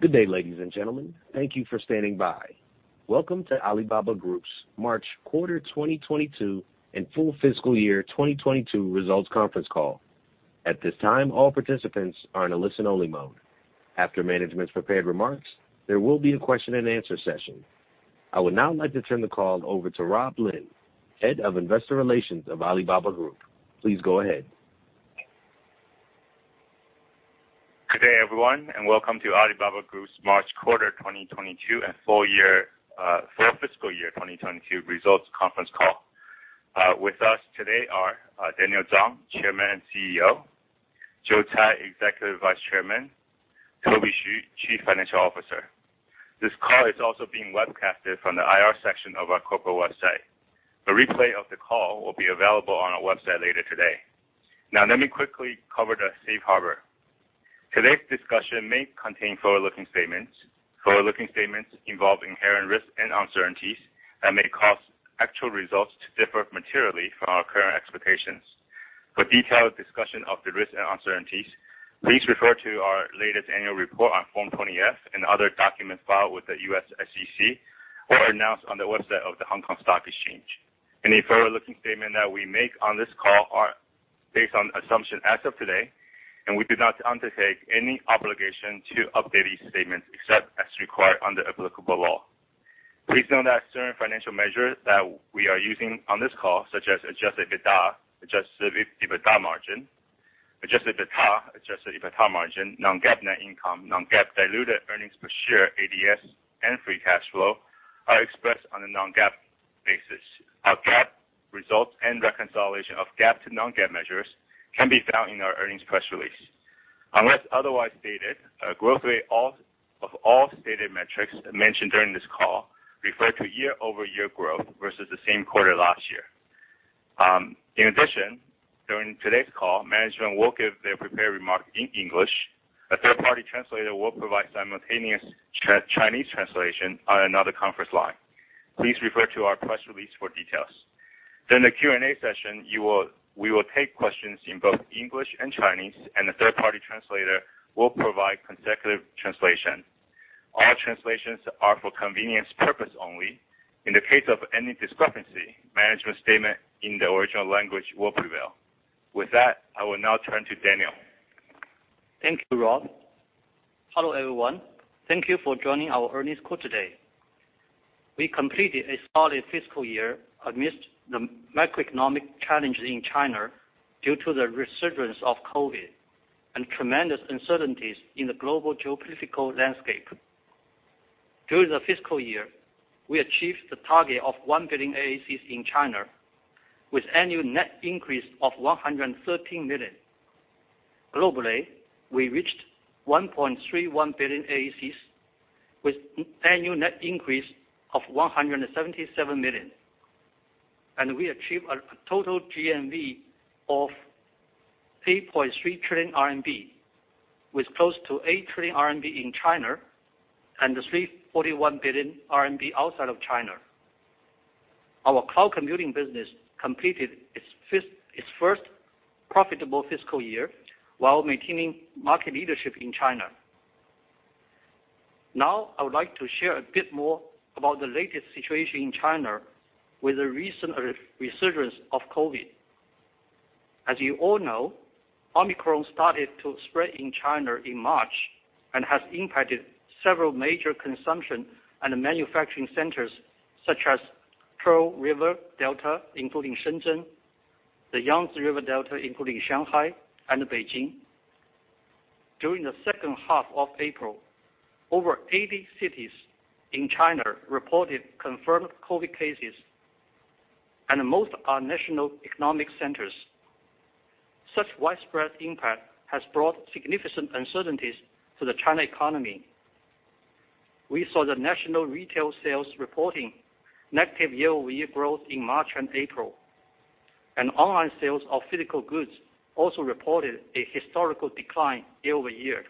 Good day, ladies and gentlemen. Thank you for standing by. Welcome to Alibaba Group's March quarter 2022 and full fiscal year 2022 results conference call. At this time, all participants are in a listen-only mode. After management's prepared remarks, there will be a question and answer session. I would now like to turn the call over to Rob Lin, Head of Investor Relations of Alibaba Group. Please go ahead. Good day, everyone, and welcome to Alibaba Group's March quarter 2022 and full year, full fiscal year 2022 results conference call. With us today are Daniel Zhang, Chairman and CEO, Joe Tsai, Executive Vice Chairman, Toby Xu, Chief Financial Officer. This call is also being webcast from the IR section of our corporate website. A replay of the call will be available on our website later today. Now let me quickly cover the safe harbor. Today's discussion may contain forward-looking statements. Forward-looking statements involve inherent risks and uncertainties that may cause actual results to differ materially from our current expectations. For detailed discussion of the risks and uncertainties, please refer to our latest annual report on Form 20-F and other documents filed with the U.S. SEC or announced on the website of the Hong Kong Stock Exchange. Any forward-looking statement that we make on this call are based on assumption as of today, and we do not undertake any obligation to update these statements except as required under applicable law. Please note that certain financial measures that we are using on this call, such as adjusted EBITDA, adjusted EBITDA margin, adjusted EBITDA, adjusted EBITDA margin, non-GAAP net income, non-GAAP diluted earnings per share, ADS, and free cash flow, are expressed on a non-GAAP basis. Our GAAP results and reconciliation of GAAP to non-GAAP measures can be found in our earnings press release. Unless otherwise stated, growth rates of all stated metrics mentioned during this call refer to year-over-year growth versus the same quarter last year. In addition, during today's call, management will give their prepared remarks in English. A third-party translator will provide simultaneous Chinese translation on another conference line. Please refer to our press release for details. The Q&A session, we will take questions in both English and Chinese, and the third party translator will provide consecutive translation. All translations are for convenience purpose only. In the case of any discrepancy, management statement in the original language will prevail. With that, I will now turn to Daniel. Thank you, Rob. Hello, everyone. Thank you for joining our earnings call today. We completed a solid fiscal year amidst the macroeconomic challenges in China due to the resurgence of COVID and tremendous uncertainties in the global geopolitical landscape. During the fiscal year, we achieved the target of 1 billion AACs in China with annual net increase of 113 million. Globally, we reached 1.31 billion AACs with annual net increase of 177 million. We achieved a total GMV of 3.3 trillion RMB, with close to 8 trillion RMB in China and 341 billion RMB outside of China. Our cloud computing business completed its first profitable fiscal year while maintaining market leadership in China. Now, I would like to share a bit more about the latest situation in China with the recent resurgence of COVID. As you all know, Omicron started to spread in China in March and has impacted several major consumption and manufacturing centers such as Pearl River Delta, including Shenzhen, the Yangtze River Delta, including Shanghai and Beijing. During the second half of April, over 80 cities in China reported confirmed COVID cases, and most are national economic centers. Such widespread impact has brought significant uncertainties to the China economy. We saw the national retail sales reporting negative year-over-year growth in March and April, and online sales of physical goods also reported a historical decline year-over-year.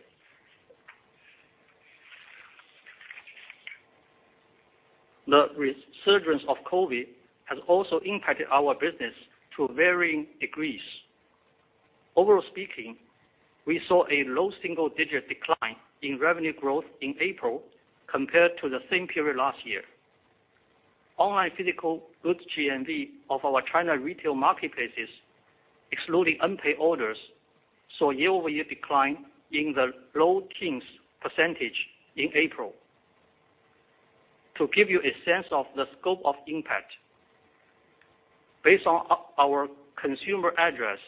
The resurgence of COVID has also impacted our business to varying degrees. Overall speaking, we saw a low single-digit decline in revenue growth in April compared to the same period last year. Online physical goods GMV of our China retail marketplaces, excluding unpaid orders, saw a year-over-year decline in the low teens % in April. To give you a sense of the scope of impact, based on our consumer address,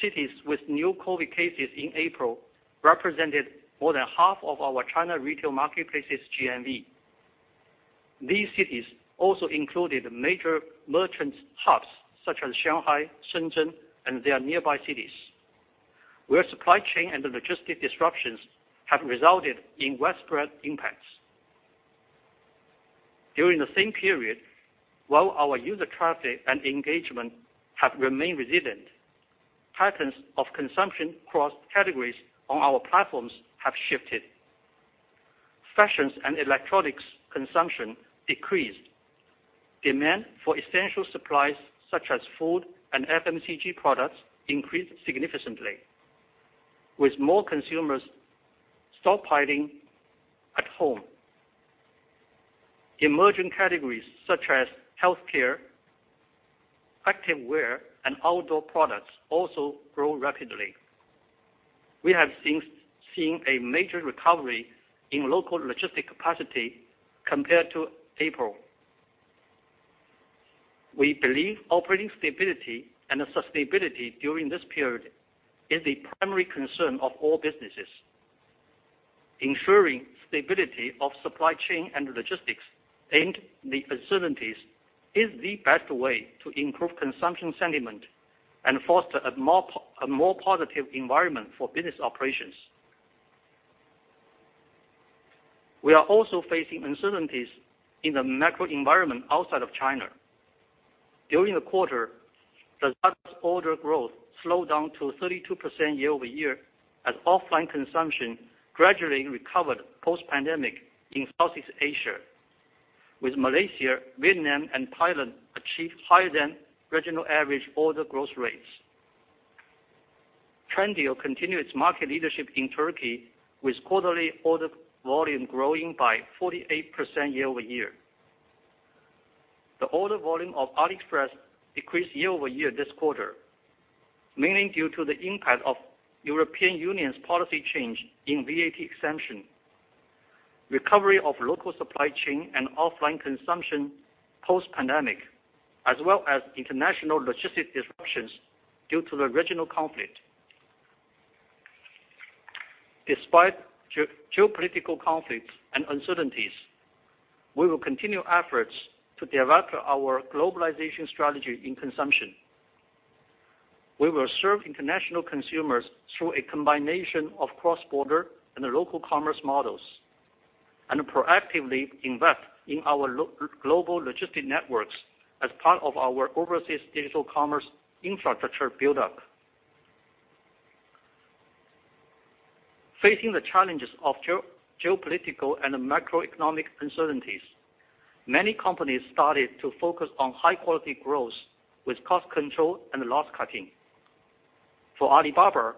cities with new COVID cases in April represented more than half of our China retail marketplaces GMV. These cities also included major merchant hubs such as Shanghai, Shenzhen, and their nearby cities, where supply chain and logistics disruptions have resulted in widespread impacts. During the same period, while our user traffic and engagement have remained resilient, patterns of consumption across categories on our platforms have shifted. Fashion and electronics consumption decreased. Demand for essential supplies such as food and FMCG products increased significantly with more consumers stockpiling at home. Emerging categories such as healthcare, active wear, and outdoor products also grow rapidly. We have seen a major recovery in local logistics capacity compared to April. We believe operating stability and the sustainability during this period is the primary concern of all businesses. Ensuring stability of supply chain and logistics amid the uncertainties is the best way to improve consumption sentiment and foster a more positive environment for business operations. We are also facing uncertainties in the macro environment outside of China. During the quarter, the order growth slowed down to 32% year-over-year as offline consumption gradually recovered post-pandemic in Southeast Asia, with Malaysia, Vietnam, and Thailand achieved higher than regional average order growth rates. Trendyol continues market leadership in Turkey with quarterly order volume growing by 48% year-over-year. The order volume of AliExpress decreased year-over-year this quarter, mainly due to the impact of the European Union's policy change in VAT exemption, recovery of local supply chain and offline consumption post-pandemic, as well as international logistic disruptions due to the regional conflict. Despite geopolitical conflicts and uncertainties, we will continue efforts to develop our globalization strategy in consumption. We will serve international consumers through a combination of cross-border and the local commerce models, and proactively invest in our local-global logistic networks as part of our overseas digital commerce infrastructure buildup. Facing the challenges of geopolitical and macroeconomic uncertainties, many companies started to focus on high-quality growth with cost control and loss cutting. For Alibaba,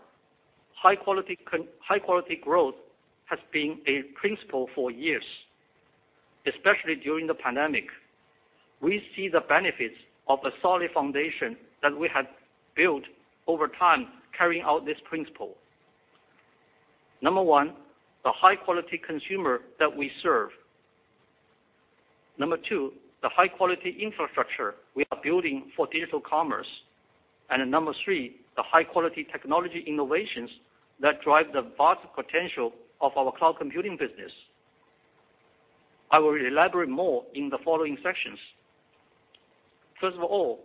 high quality growth has been a principle for years, especially during the pandemic. We see the benefits of a solid foundation that we have built over time carrying out this principle. Number one, the high quality consumer that we serve. Number two, the high quality infrastructure we are building for digital commerce. Number three, the high quality technology innovations that drive the vast potential of our cloud computing business. I will elaborate more in the following sections. First of all,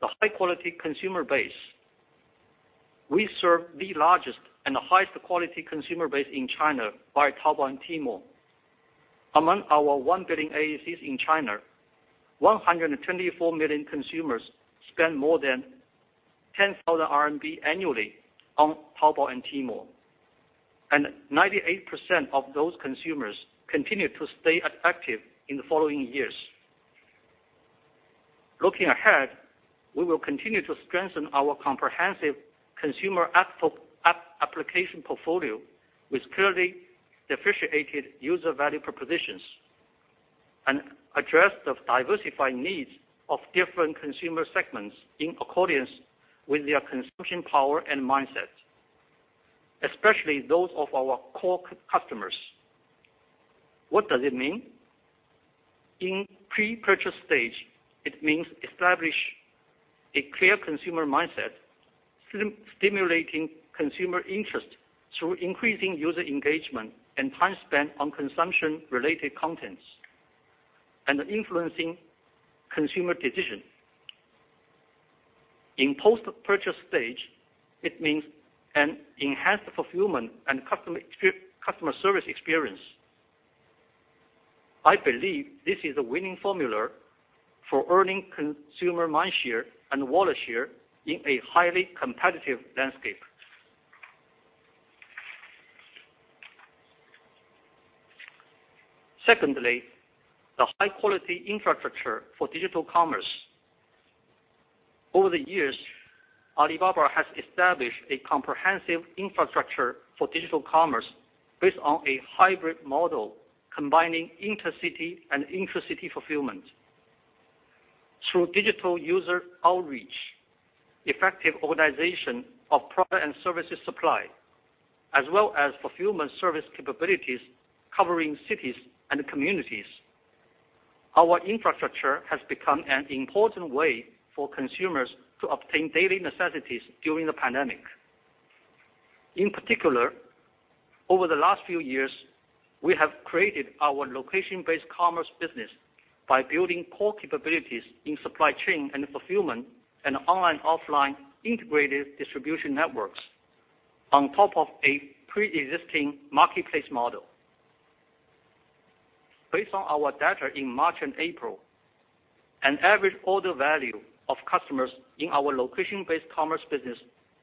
the high quality consumer base. We serve the largest and highest quality consumer base in China by Taobao and Tmall. Among our 1 billion AACs in China, 124 million consumers spend more than 10,000 RMB annually on Taobao and Tmall, and 98% of those consumers continue to stay active in the following years. Looking ahead, we will continue to strengthen our comprehensive consumer application portfolio with clearly differentiated user value propositions, and address the diversifying needs of different consumer segments in accordance with their consumption power and mindset, especially those of our core customers. What does it mean? In pre-purchase stage, it means establish a clear consumer mindset, stimulating consumer interest through increasing user engagement and time spent on consumption-related contents, and influencing consumer decision. In post-purchase stage, it means an enhanced fulfillment and customer service experience. I believe this is a winning formula for earning consumer mind share and wallet share in a highly competitive landscape. Secondly, the high quality infrastructure for digital commerce. Over the years, Alibaba has established a comprehensive infrastructure for digital commerce based on a hybrid model, combining intercity and intracity fulfillment. Through digital user outreach, effective organization of product and services supply, as well as fulfillment service capabilities covering cities and communities. Our infrastructure has become an important way for consumers to obtain daily necessities during the pandemic. In particular, over the last few years, we have created our location-based commerce business by building core capabilities in supply chain and fulfillment and online/offline integrated distribution networks on top of a pre-existing marketplace model. Based on our data in March and April, an average order value of customers in our location-based commerce business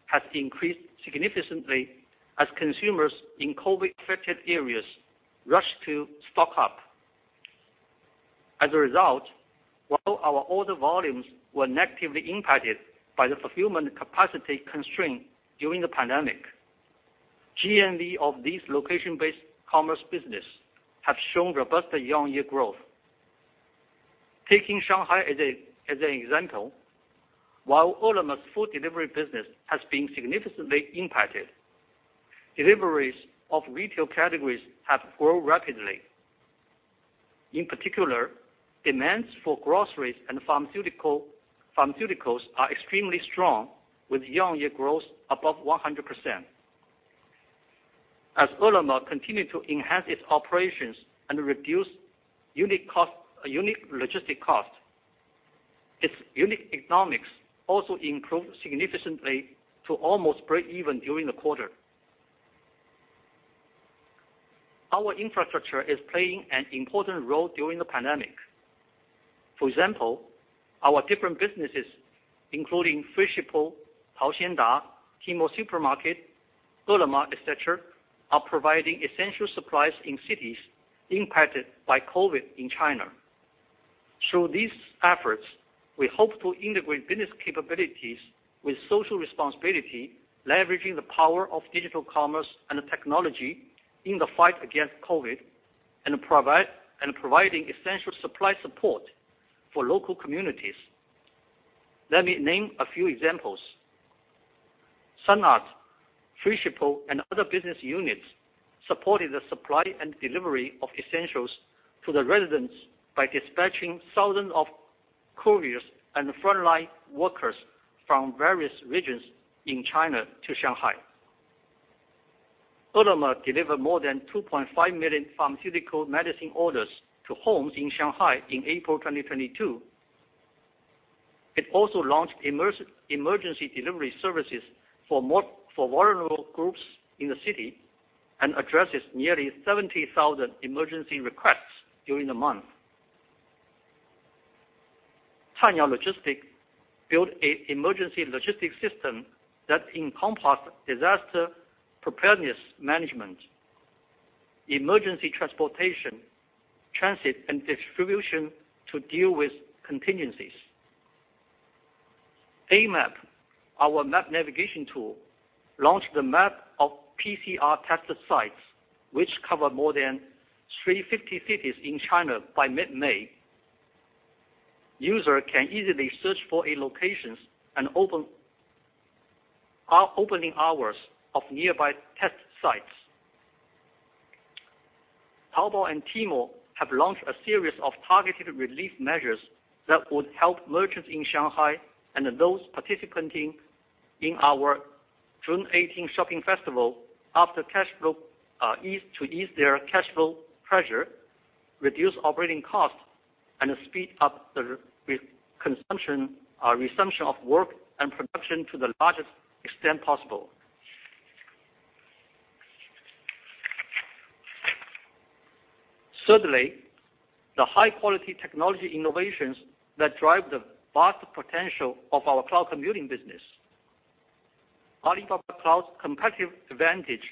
has increased significantly as consumers in COVID-affected areas rushed to stock up. As a result, while our order volumes were negatively impacted by the fulfillment capacity constraint during the pandemic, GMV of these location-based commerce business have shown robust year-on-year growth. Taking Shanghai as an example, while Ele.me's food delivery business has been significantly impacted, deliveries of retail categories have grown rapidly. In particular, demands for groceries and pharmaceuticals are extremely strong with year-on-year growth above 100%. As Ele.me continued to enhance its operations and reduce unit logistics cost, its unit economics also improved significantly to almost break even during the quarter. Our infrastructure is playing an important role during the pandemic. For example, our different businesses, including Freshippo, Taoxianda, Tmall Supermarket, Ele.me, et cetera, are providing essential supplies in cities impacted by COVID in China. Through these efforts, we hope to integrate business capabilities with social responsibility, leveraging the power of digital commerce and technology in the fight against COVID, and providing essential supply support for local communities. Let me name a few examples. Sun Art, Freshippo and other business units supported the supply and delivery of essentials to the residents by dispatching thousands of couriers and frontline workers from various regions in China to Shanghai. Ele.me delivered more than 2.5 million pharmaceutical medicine orders to homes in Shanghai in April 2022. It also launched emergency delivery services for vulnerable groups in the city, and addresses nearly 70,000 emergency requests during the month. Cainiao built an emergency logistics system that encompassed disaster preparedness management, emergency transportation, transit, and distribution to deal with contingencies. Amap, our map navigation tool, launched the map of PCR tested sites, which cover more than 350 cities in China by mid-May. User can easily search for a locations and opening hours of nearby test sites. Taobao and Tmall have launched a series of targeted relief measures that would help merchants in Shanghai and those participating in our June 18 shopping festival to ease their cash flow pressure, reduce operating costs, and speed up the resumption of work and production to the largest extent possible. Thirdly, the high-quality technology innovations that drive the vast potential of our cloud computing business. Alibaba Cloud's competitive advantage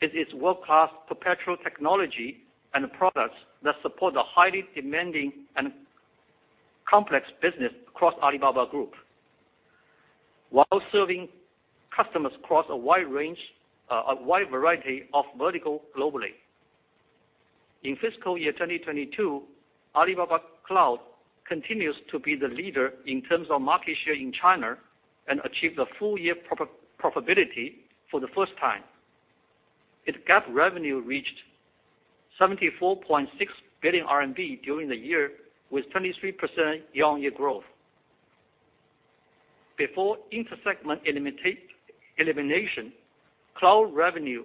is its world-class proprietary technology and products that support the highly demanding and complex business across Alibaba Group, while serving customers across a wide range, a wide variety of verticals globally. In fiscal year 2022, Alibaba Cloud continues to be the leader in terms of market share in China and achieve the full-year profitability for the first time. Its GAAP revenue reached 74.6 billion RMB during the year, with 23% year-on-year growth. Before inter-segment elimination, cloud revenue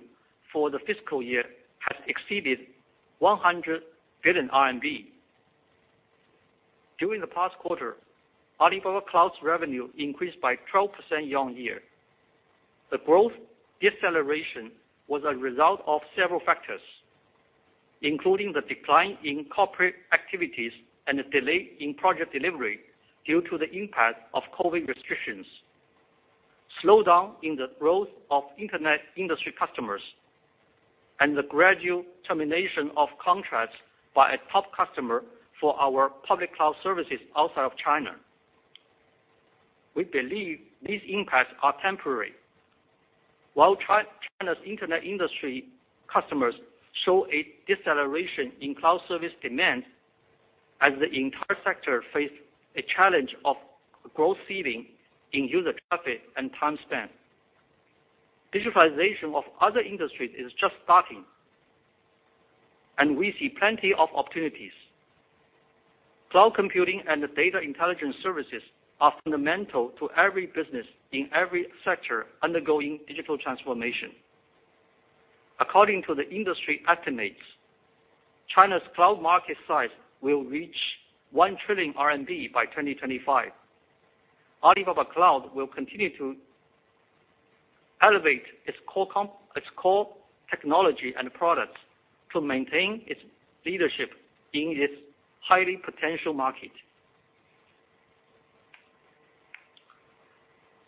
for the fiscal year has exceeded 100 billion RMB. During the past quarter, Alibaba Cloud's revenue increased by 12% year-on-year. The growth deceleration was a result of several factors, including the decline in corporate activities and a delay in project delivery due to the impact of COVID restrictions, slowdown in the growth of internet industry customers, and the gradual termination of contracts by a top customer for our public cloud services outside of China. We believe these impacts are temporary. While China's internet industry customers show a deceleration in cloud service demand as the entire sector face a challenge of growth ceiling in user traffic and time spent. Digitalization of other industries is just starting, and we see plenty of opportunities. Cloud computing and data intelligence services are fundamental to every business in every sector undergoing digital transformation. According to the industry estimates, China's cloud market size will reach 1 trillion RMB by 2025. Alibaba Cloud will continue to elevate its core technology and products to maintain its leadership in this highly potential market.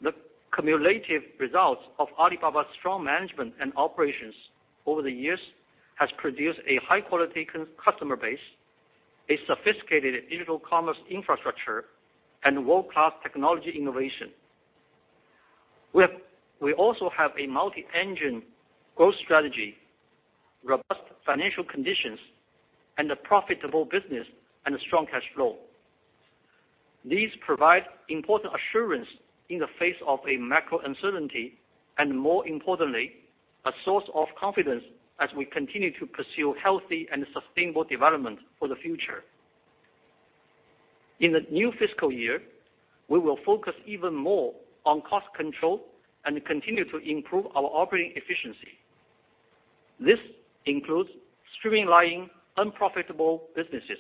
The cumulative results of Alibaba's strong management and operations over the years has produced a high quality customer base, a sophisticated digital commerce infrastructure, and world-class technology innovation. We also have a multi-engine growth strategy, robust financial conditions, and a profitable business and a strong cash flow. These provide important assurance in the face of a macro uncertainty, and more importantly, a source of confidence as we continue to pursue healthy and sustainable development for the future. In the new fiscal year, we will focus even more on cost control and continue to improve our operating efficiency. This includes streamlining unprofitable businesses,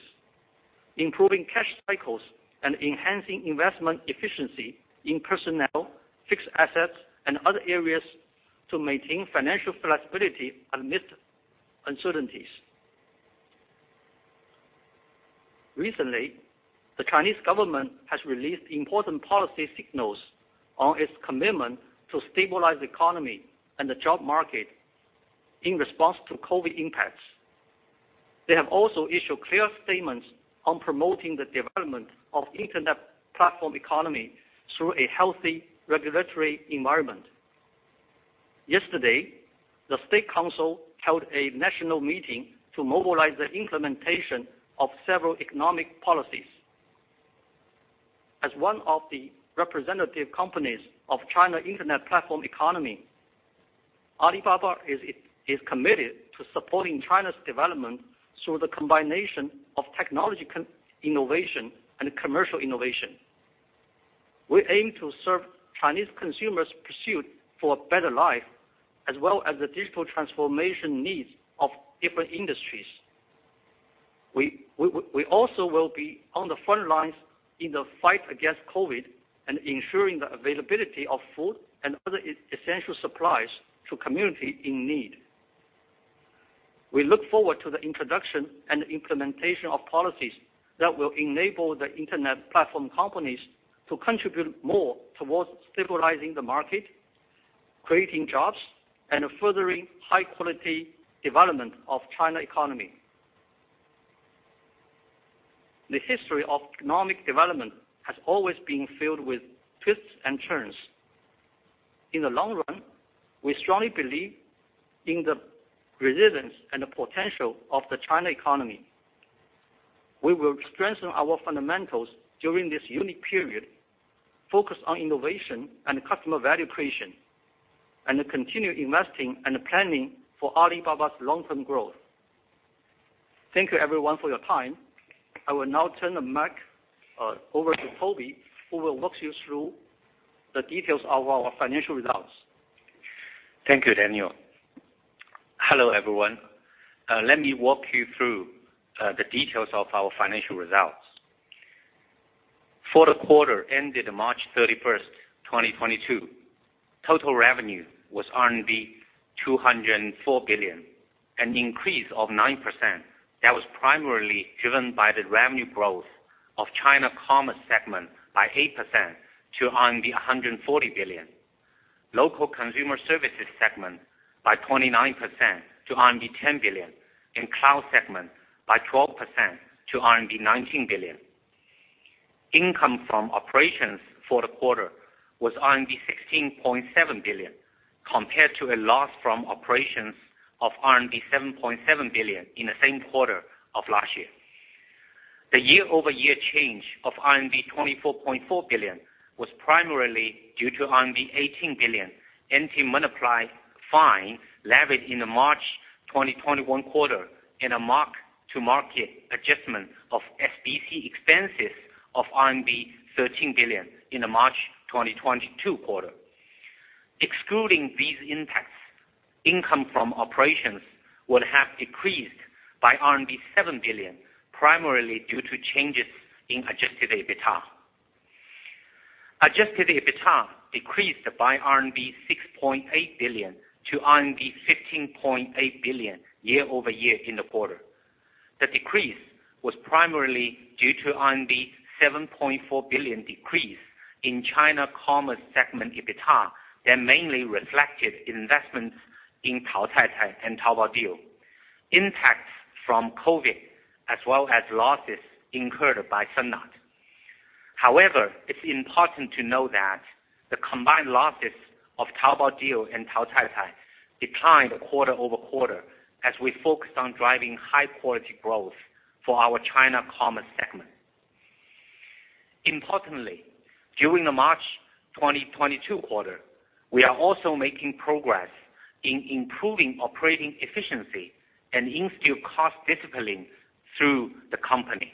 improving cash cycles, and enhancing investment efficiency in personnel, fixed assets, and other areas to maintain financial flexibility amidst uncertainties. Recently, the Chinese government has released important policy signals on its commitment to stabilize the economy and the job market in response to COVID impacts. They have also issued clear statements on promoting the development of internet platform economy through a healthy regulatory environment. Yesterday, the State Council held a national meeting to mobilize the implementation of several economic policies. As one of the representative companies of China internet platform economy, Alibaba is committed to supporting China's development through the combination of technology innovation and commercial innovation. We aim to serve Chinese consumers' pursuit for a better life, as well as the digital transformation needs of different industries. We also will be on the front lines in the fight against COVID and ensuring the availability of food and other essential supplies to community in need. We look forward to the introduction and implementation of policies that will enable the internet platform companies to contribute more towards stabilizing the market, creating jobs, and furthering high quality development of China economy. The history of economic development has always been filled with twists and turns. In the long run, we strongly believe in the resilience and the potential of the China economy. We will strengthen our fundamentals during this unique period, focus on innovation and customer value creation, and continue investing and planning for Alibaba's long-term growth. Thank you everyone for your time. I will now turn the mic over to Toby, who will walk you through the details of our financial results. Thank you, Daniel. Hello, everyone. Let me walk you through the details of our financial results. For the quarter ended March 31, 2022, total revenue was 204 billion, an increase of 9% that was primarily driven by the revenue growth of China Commerce segment by 8% to RMB 140 billion. Local Consumer Services segment by 29% to RMB 10 billion, and Cloud segment by 12% to RMB 19 billion. Income from operations for the quarter was RMB 16.7 billion, compared to a loss from operations of RMB 7.7 billion in the same quarter of last year. The year-over-year change of RMB 24.4 billion was primarily due to RMB 18 billion anti-monopoly fine levied in the March 2021 quarter in a mark-to-market adjustment of SBC expenses of RMB 13 billion in the March 2022 quarter. Excluding these impacts, income from operations would have decreased by RMB 7 billion, primarily due to changes in adjusted EBITDA. Adjusted EBITDA decreased by RMB 6.8 billion to RMB 15.8 billion year-over-year in the quarter. The decrease was primarily due to RMB 7.4 billion decrease in China Commerce segment EBITDA that mainly reflected investments in Taocaicai and Taobao Deals, impacts from COVID, as well as losses incurred by Sun Art. However, it's important to note that the combined losses of Taobao Deals and Taocaicai declined quarter-over-quarter as we focused on driving high quality growth for our China Commerce segment. Importantly, during the March 2022 quarter, we are also making progress in improving operating efficiency and instill cost discipline throughout the company.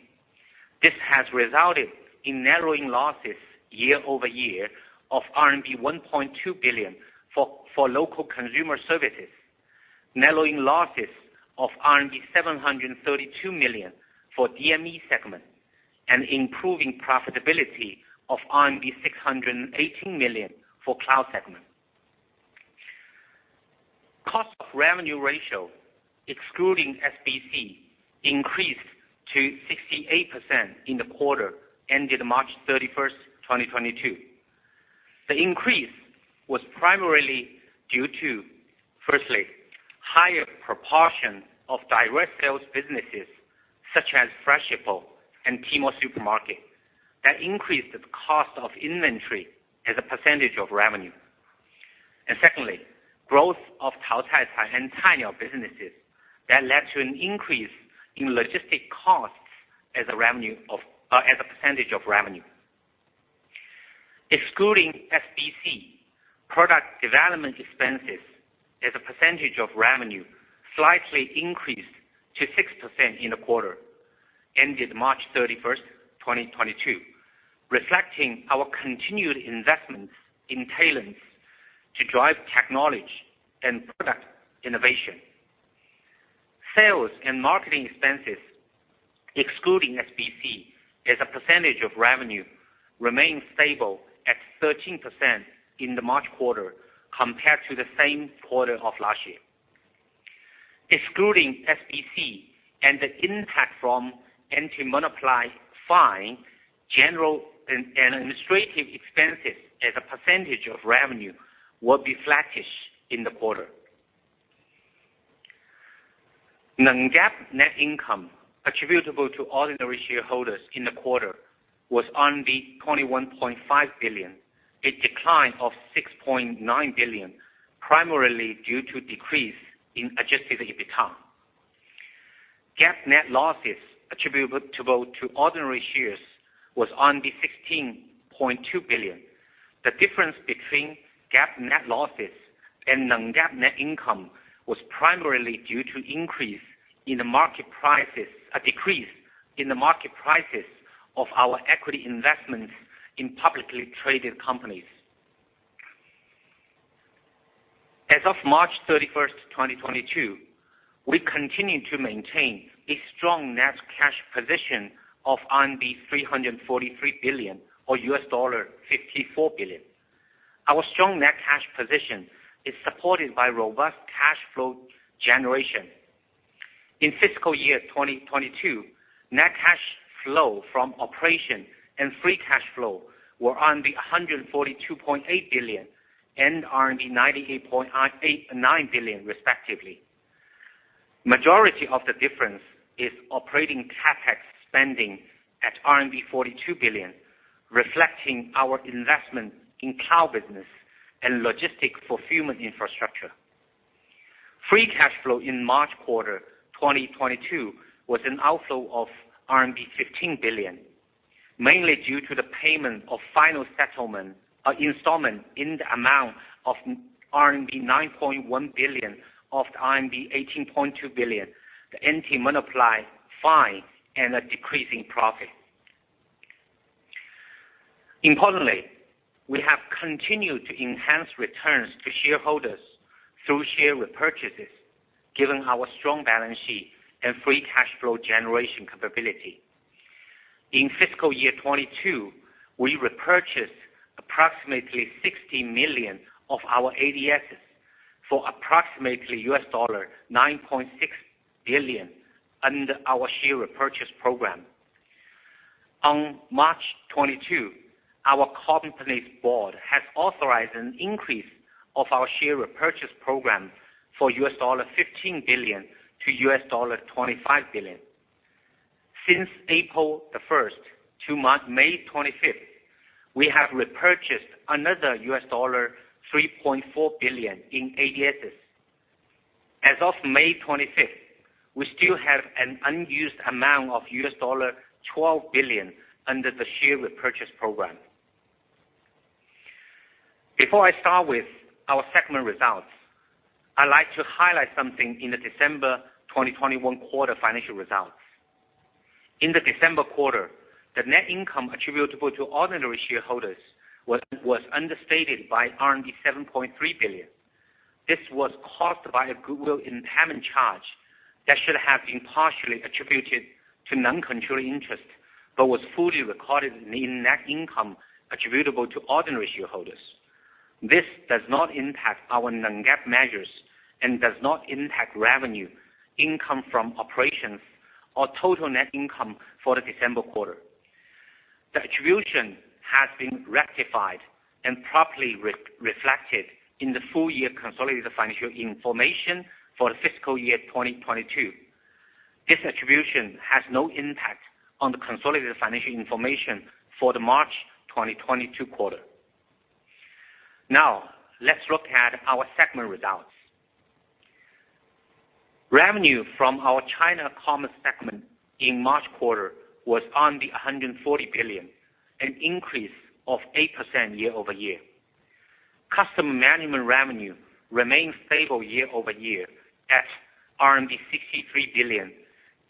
This has resulted in narrowing losses year-over-year of RMB 1.2 billion for local consumer services. Narrowing losses of RMB 732 million for DME segment, and improving profitability of RMB 618 million for cloud segment. Cost of revenue ratio, excluding SBC, increased to 68% in the quarter, ending March 31, 2022. The increase was primarily due to, firstly, higher proportion of direct sales businesses such as Freshippo and Tmall Supermarket, that increased the cost of inventory as a percentage of revenue. Secondly, growth of Taocaicai and Taoxianda businesses that led to an increase in logistic costs as a percentage of revenue. Excluding SBC, product development expenses as a percentage of revenue slightly increased to 6% in the quarter ending March 31, 2022, reflecting our continued investments in talents to drive technology and product innovation. Sales and marketing expenses, excluding SBC, as a percentage of revenue remained stable at 13% in the March quarter compared to the same quarter of last year. Excluding SBC and the impact from anti-monopoly fine, general and administrative expenses as a percentage of revenue will be flattish in the quarter. Non-GAAP net income attributable to ordinary shareholders in the quarter was 21.5 billion, a decline of 6.9 billion, primarily due to decrease in adjusted EBITDA. GAAP net losses attributable to ordinary shares was 16.2 billion. The difference between GAAP net losses and non-GAAP net income was primarily due to a decrease in the market prices of our equity investments in publicly traded companies. As of March 31, 2022, we continue to maintain a strong net cash position of RMB 343 billion, or $54 billion. Our strong net cash position is supported by robust cash flow generation. In fiscal year 2022, net cash flow from operation and free cash flow were 142.8 billion and 98.9 billion, respectively. Majority of the difference is operating CapEx spending at RMB 42 billion, reflecting our investment in cloud business and logistic fulfillment infrastructure. Free cash flow in March quarter 2022 was an outflow of RMB 15 billion, mainly due to the payment of final installment in the amount of RMB 9.1 billion of the RMB 18.2 billion, the anti-monopoly fine, and a decrease in profit. Importantly, we have continued to enhance returns to shareholders through share repurchases, given our strong balance sheet and free cash flow generation capability. In fiscal year 2022, we repurchased approximately 60 million of our ADSs for approximately $9.6 billion under our share repurchase program. On March 22, our company's board has authorized an increase of our share repurchase program for $15 billion-$25 billion. Since April 1 to May 25, we have repurchased another $3.4 billion in ADSs. As of May 25, we still have an unused amount of $12 billion under the share repurchase program. Before I start with our segment results, I like to highlight something in the December 2021 quarter financial results. In the December quarter, the net income attributable to ordinary shareholders was understated by 7.3 billion. This was caused by a goodwill impairment charge that should have been partially attributed to non-controlling interest, but was fully recorded in net income attributable to ordinary shareholders. This does not impact our non-GAAP measures and does not impact revenue, income from operations or total net income for the December quarter. The attribution has been rectified and properly re-reflected in the full year consolidated financial information for the fiscal year 2022. This attribution has no impact on the consolidated financial information for the March 2022 quarter. Now, let's look at our segment results. Revenue from our China commerce segment in March quarter was 140 billion, an increase of 8% year-over-year. Customer management revenue remained stable year-over-year at RMB 63 billion,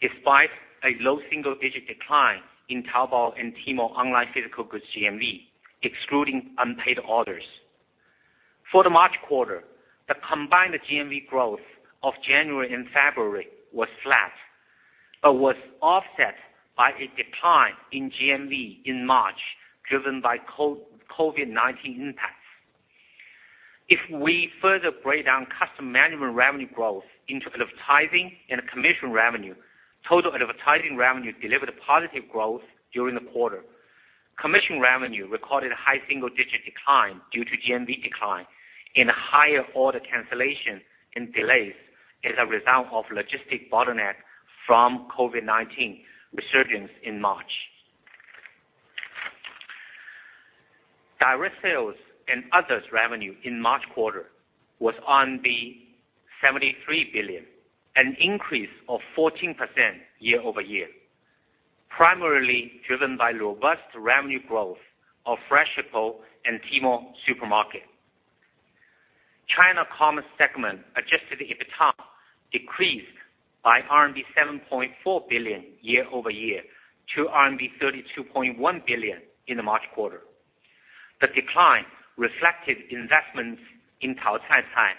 despite a low single-digit decline in Taobao and Tmall online physical goods GMV, excluding unpaid orders. For the March quarter, the combined GMV growth of January and February was flat, but was offset by a decline in GMV in March, driven by COVID-19 impacts. If we further break down customer management revenue growth into advertising and commission revenue, total advertising revenue delivered a positive growth during the quarter. Commission revenue recorded a high single-digit decline due to GMV decline and higher order cancellation and delays as a result of logistics bottleneck from COVID-19 resurgence in March. Direct sales and others revenue in March quarter was 73 billion, an increase of 14% year-over-year, primarily driven by robust revenue growth of Freshippo and Tmall Supermarket. China Commerce segment adjusted EBITDA decreased by RMB 7.4 billion year-over-year to RMB 32.1 billion in the March quarter. The decline reflected investments in Taocaicai,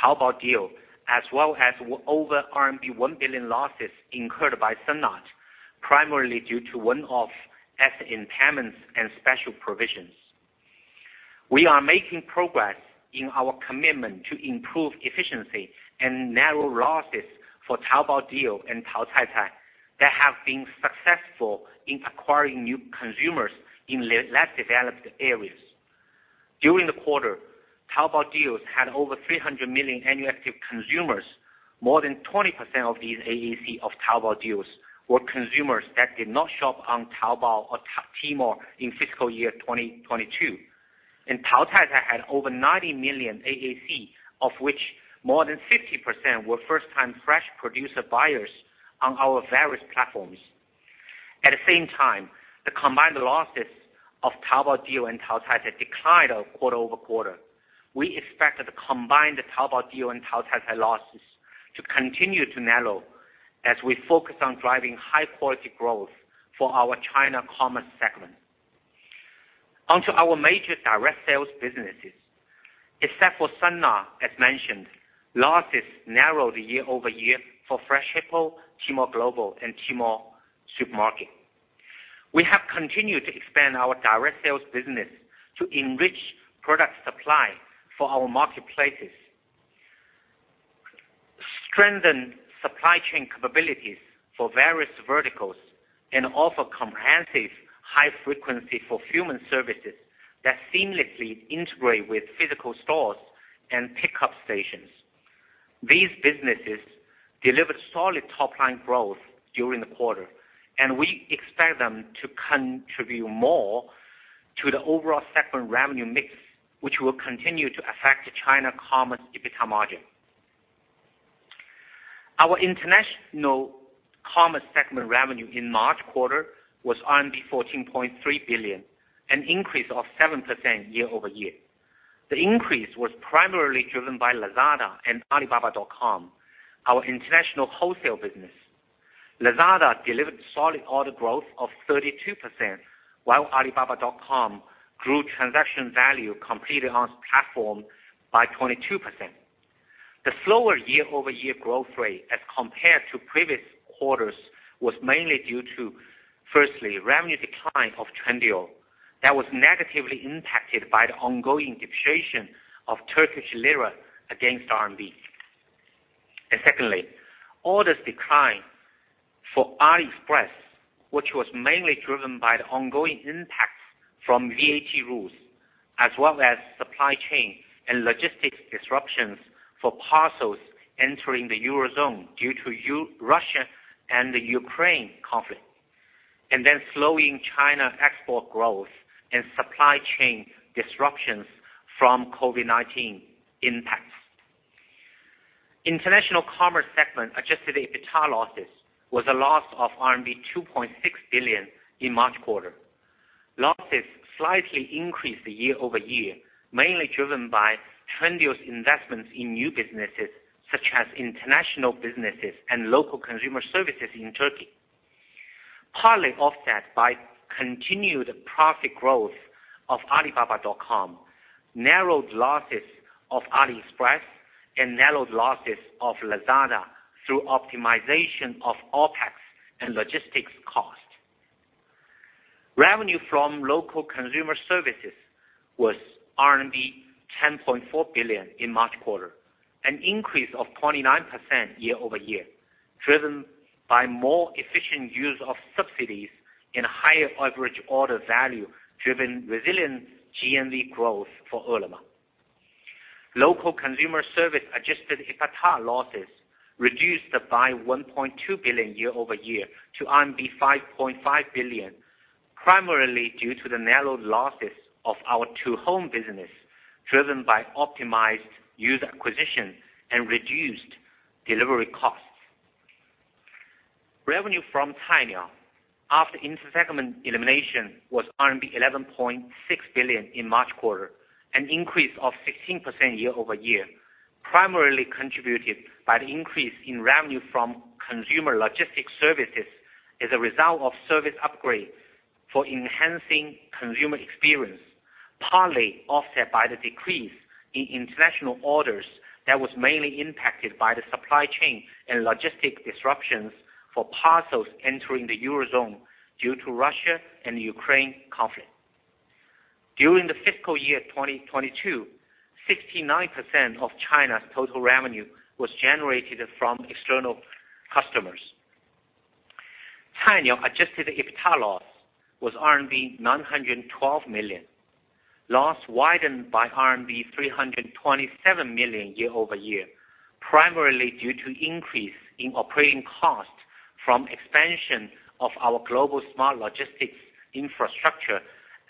Taobao Deals, as well as over RMB 1 billion losses incurred by Sun Art, primarily due to one-off asset impairments and special provisions. We are making progress in our commitment to improve efficiency and narrow losses for Taobao Deals and Taocaicai that have been successful in acquiring new consumers in less developed areas. During the quarter, Taobao Deals had over 300 million annual active consumers. More than 20% of these AAC of Taobao Deals were consumers that did not shop on Taobao or Tmall in fiscal year 2022. Taocaicai had over 90 million AAC, of which more than 60% were first-time fresh produce buyers on our various platforms. At the same time, the combined losses of Taobao Deals and Taocaicai declined quarter-over-quarter. We expect the combined Taobao Deals and Taocaicai losses to continue to narrow as we focus on driving high-quality growth for our China Commerce segment. On to our major direct sales businesses. Except for Sun Art, as mentioned, losses narrowed year-over-year for Freshippo, Tmall Global, and Tmall Supermarket. We have continued to expand our direct sales business to enrich product supply for our marketplaces, strengthen supply chain capabilities for various verticals, and offer comprehensive high frequency fulfillment services that seamlessly integrate with physical stores and pickup stations. These businesses delivered solid top line growth during the quarter, and we expect them to contribute more to the overall segment revenue mix, which will continue to affect the China Commerce EBITDA margin. Our International Commerce segment revenue in March quarter was 14.3 billion, an increase of 7% year-over-year. The increase was primarily driven by Lazada and Alibaba.com, our international wholesale business. Lazada delivered solid order growth of 32%, while Alibaba.com grew transaction value completed on platform by 22%. The slower year-over-year growth rate as compared to previous quarters was mainly due to, firstly, revenue decline of Trendyol that was negatively impacted by the ongoing depreciation of Turkish Lira against RMB. Secondly, orders decline for AliExpress, which was mainly driven by the ongoing impacts from VAT rules as well as supply chain and logistics disruptions for parcels entering the Eurozone due to the Russia-Ukraine conflict, and then slowing China export growth and supply chain disruptions from COVID-19 impacts. International Commerce segment adjusted EBITDA losses was a loss of RMB 2.6 billion in March quarter. Losses slightly increased year-over-year, mainly driven by Trendyol's investments in new businesses such as international businesses and local consumer services in Turkey, partly offset by continued profit growth of Alibaba.com, narrowed losses of AliExpress, and narrowed losses of Lazada through optimization of OpEx and logistics cost. Revenue from local consumer services was RMB 10.4 billion in March quarter, an increase of 29% year-over-year, driven by more efficient use of subsidies and higher average order value driven resilient GMV growth for Ele.me. Local Consumer Services adjusted EBITDA losses reduced by 1.2 billion year-over-year to RMB 5.5 billion, primarily due to the narrowed losses of our Ele.me business, driven by optimized user acquisition and reduced delivery costs. Revenue from Cainiao after inter-segment elimination was RMB 11.6 billion in March quarter, an increase of 16% year-over-year, primarily contributed by the increase in revenue from consumer logistics services as a result of service upgrades for enhancing consumer experience, partly offset by the decrease in international orders that was mainly impacted by the supply chain and logistics disruptions for parcels entering the Eurozone due to Russia and Ukraine conflict. During the fiscal year 2022, 69% of Cainiao's total revenue was generated from external customers. Cainiao adjusted EBITDA loss was RMB 912 million. Loss widened by RMB 327 million year-over-year, primarily due to increase in operating costs from expansion of our global smart logistics infrastructure,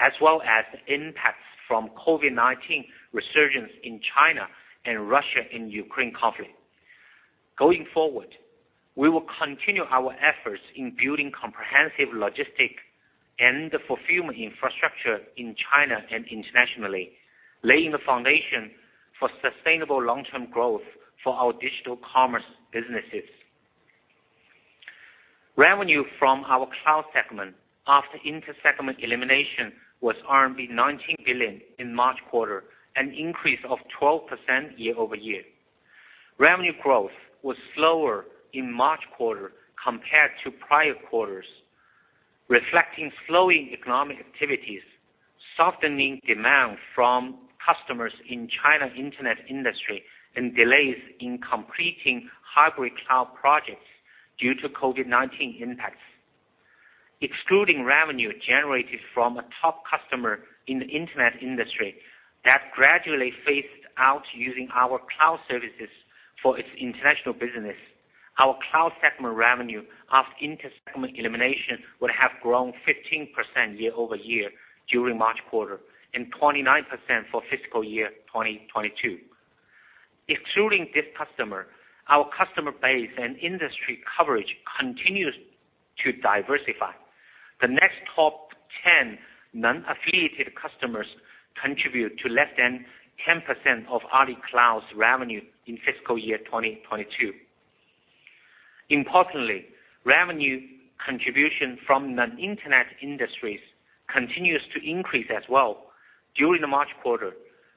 as well as impacts from COVID-19 resurgence in China and Russia and Ukraine conflict. Going forward, we will continue our efforts in building comprehensive logistics and fulfillment infrastructure in China and internationally, laying the foundation for sustainable long-term growth for our digital commerce businesses. Revenue from our cloud segment after inter-segment elimination was RMB 19 billion in March quarter, an increase of 12% year-over-year. Revenue growth was slower in March quarter compared to prior quarters, reflecting slowing economic activities, softening demand from customers in China internet industry, and delays in completing hybrid cloud projects due to COVID-19 impacts. Excluding revenue generated from a top customer in the internet industry that gradually phased out using our cloud services for its international business, our cloud segment revenue after inter-segment elimination would have grown 15% year-over-year during March quarter and 29% for fiscal year 2022. Excluding this customer, our customer base and industry coverage continues to diversify. The next top ten non-affiliated customers contribute to less than 10% of Alibaba Cloud's revenue in fiscal year 2022. Importantly, revenue contribution from non-internet industries continues to increase as well. During the March quarter,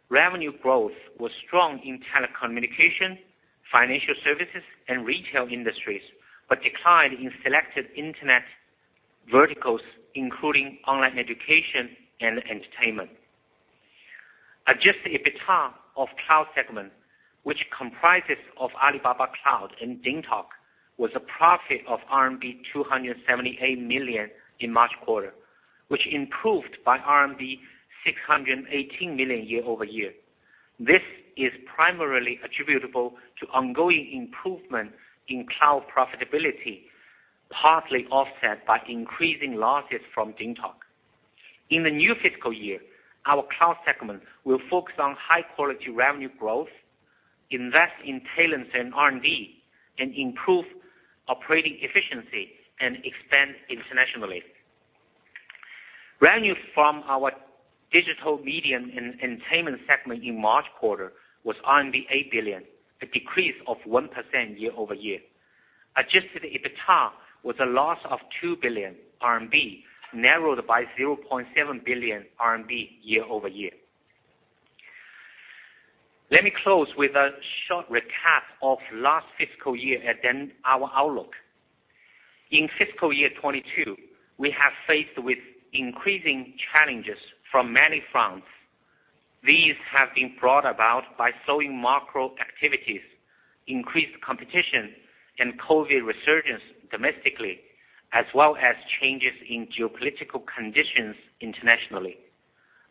revenue growth was strong in telecommunication, financial services, and retail industries, but declined in selected internet verticals, including online education and entertainment. Adjusted EBITDA of cloud segment, which comprises of Alibaba Cloud and DingTalk, was a profit of RMB 278 million in March quarter, which improved by RMB 618 million year-over-year. This is primarily attributable to ongoing improvement in cloud profitability, partly offset by increasing losses from DingTalk. In the new fiscal year, our cloud segment will focus on high-quality revenue growth, invest in talents and R&D, and improve operating efficiency and expand internationally. Revenue from our digital media and entertainment segment in March quarter was RMB 8 billion, a decrease of 1% year-over-year. Adjusted EBITDA was a loss of 2 billion RMB, narrowed by 0.7 billion RMB year-over-year. Let me close with a short recap of last fiscal year and then our outlook. In fiscal year 2022, we have faced with increasing challenges from many fronts. These have been brought about by slowing macro activities, increased competition, and COVID resurgence domestically, as well as changes in geopolitical conditions internationally.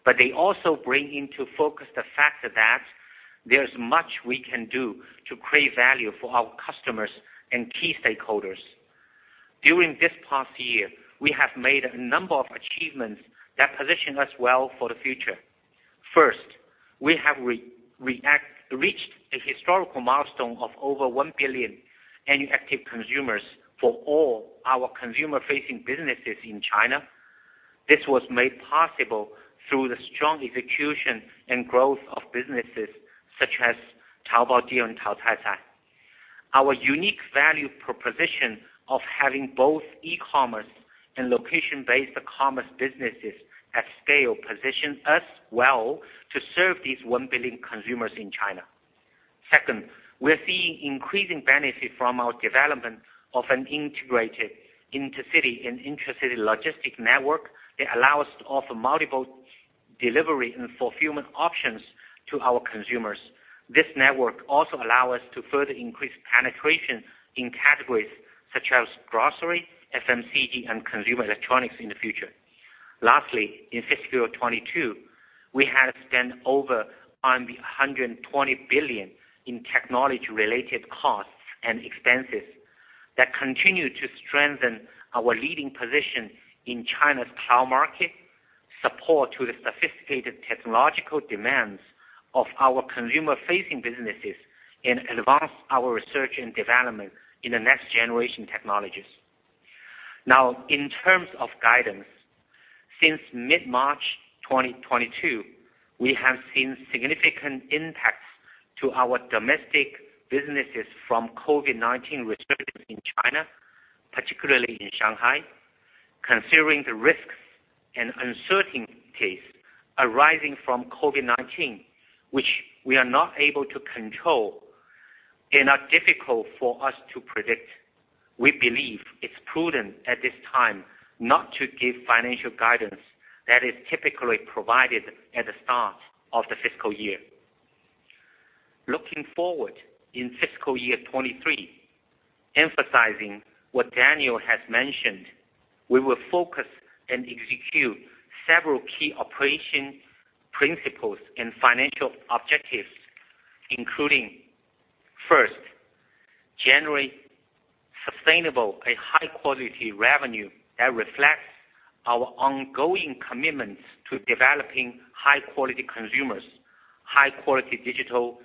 They also bring into focus the fact that there's much we can do to create value for our customers and key stakeholders. During this past year, we have made a number of achievements that position us well for the future. First, we have reached a historical milestone of over 1 billion annual active consumers for all our consumer-facing businesses in China. This was made possible through the strong execution and growth of businesses such as Taobao Deals and Taocaicai. Our unique value proposition of having both e-commerce and location-based commerce businesses at scale position us well to serve these 1 billion consumers in China. Second, we're seeing increasing benefit from our development of an integrated intercity and intracity logistics network that allow us to offer multiple delivery and fulfillment options to our consumers. This network also allow us to further increase penetration in categories such as grocery, FMCG, and consumer electronics in the future. Lastly, in fiscal year 2022, we have spent over 120 billion in technology-related costs and expenses that continue to strengthen our leading position in China's cloud market, support to the sophisticated technological demands of our consumer-facing businesses and advance our research and development in the next-generation technologies. Now in terms of guidance, since mid-March 2022, we have seen significant impacts to our domestic businesses from COVID-19 resurgence in China, particularly in Shanghai. Considering the risks and uncertainties arising from COVID-19, which we are not able to control and are difficult for us to predict, we believe it's prudent at this time not to give financial guidance that is typically provided at the start of the fiscal year. Looking forward in fiscal year 2023, emphasizing what Daniel has mentioned, we will focus and execute several key operational principles and financial objectives, including first, generate sustainable and high-quality revenue that reflects our ongoing commitments to developing high-quality consumers, high-quality digital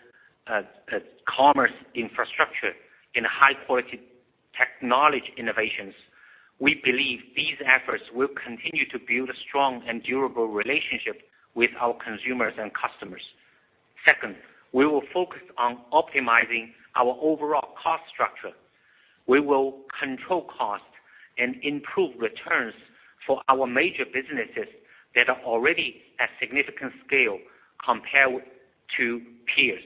commerce infrastructure and high-quality technology innovations. We believe these efforts will continue to build a strong and durable relationship with our consumers and customers. Second, we will focus on optimizing our overall cost structure. We will control costs and improve returns for our major businesses that are already at significant scale compared to peers.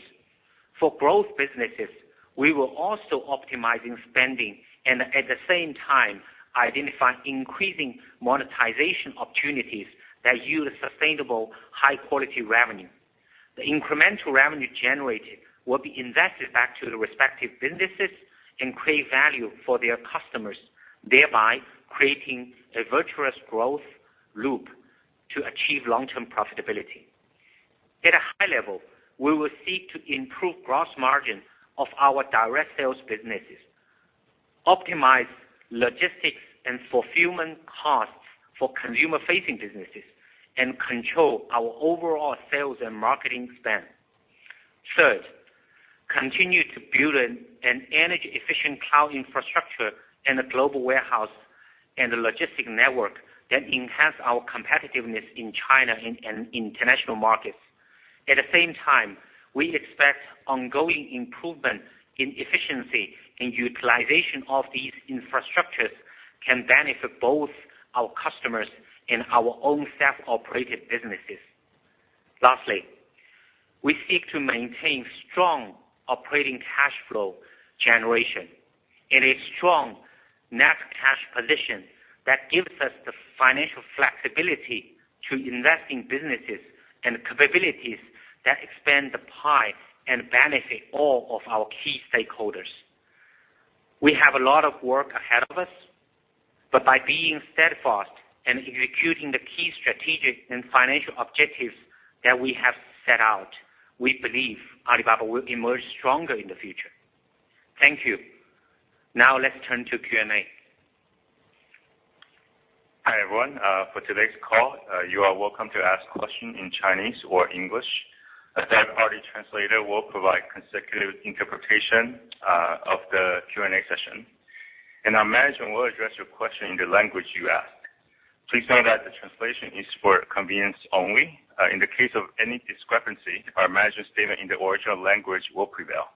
For growth businesses, we will also optimizing spending and at the same time identifying increasing monetization opportunities that yield sustainable, high quality revenue. The incremental revenue generated will be invested back to the respective businesses and create value for their customers, thereby creating a virtuous growth loop to achieve long term profitability. At a high level, we will seek to improve gross margin of our direct sales businesses, optimize logistics and fulfillment costs for consumer facing businesses, and control our overall sales and marketing spend. Third, continue to build an energy efficient cloud infrastructure and a global warehouse and the logistic network that enhance our competitiveness in China and international markets. At the same time, we expect ongoing improvement in efficiency and utilization of these infrastructures can benefit both our customers and our own self-operated businesses. Lastly, we seek to maintain strong operating cash flow generation. It is strong net cash position that gives us the financial flexibility to invest in businesses and capabilities that expand the pie and benefit all of our key stakeholders. We have a lot of work ahead of us, but by being steadfast and executing the key strategic and financial objectives that we have set out, we believe Alibaba will emerge stronger in the future. Thank you. Now let's turn to Q&A. Hi, everyone. For today's call, you are welcome to ask questions in Chinese or English. A third-party translator will provide consecutive interpretation of the Q&A session, and our management will address your question in the language you ask. Please note that the translation is for convenience only. In the case of any discrepancy, our management statement in the original language will prevail.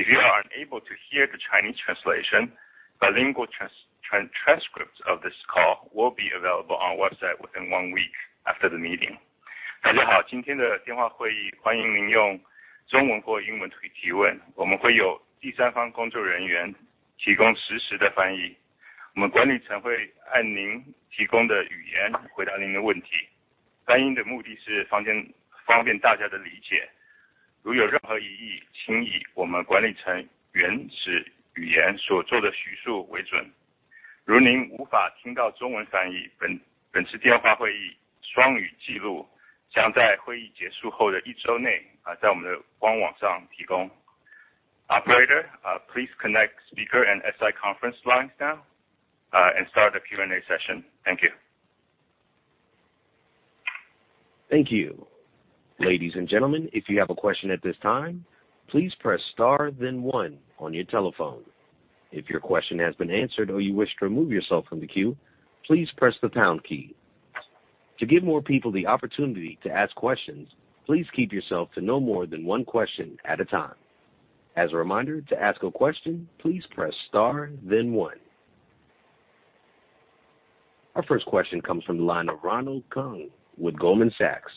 If you are unable to hear the Chinese translation, bilingual transcript of this call will be available on our website within one week after the meeting. Operator, please connect speaker and SI conference lines now, and start the Q&A session. Thank you. Thank you. Ladies and gentlemen, if you have a question at this time, please press * then one on your telephone. If your question has been answered or you wish to remove yourself from the queue, please press the pound key. To give more people the opportunity to ask questions, please keep yourself to no more than one question at a time. As a reminder, to ask a question, please press * then one. Our first question comes from the line of Ronald Keung with Goldman Sachs.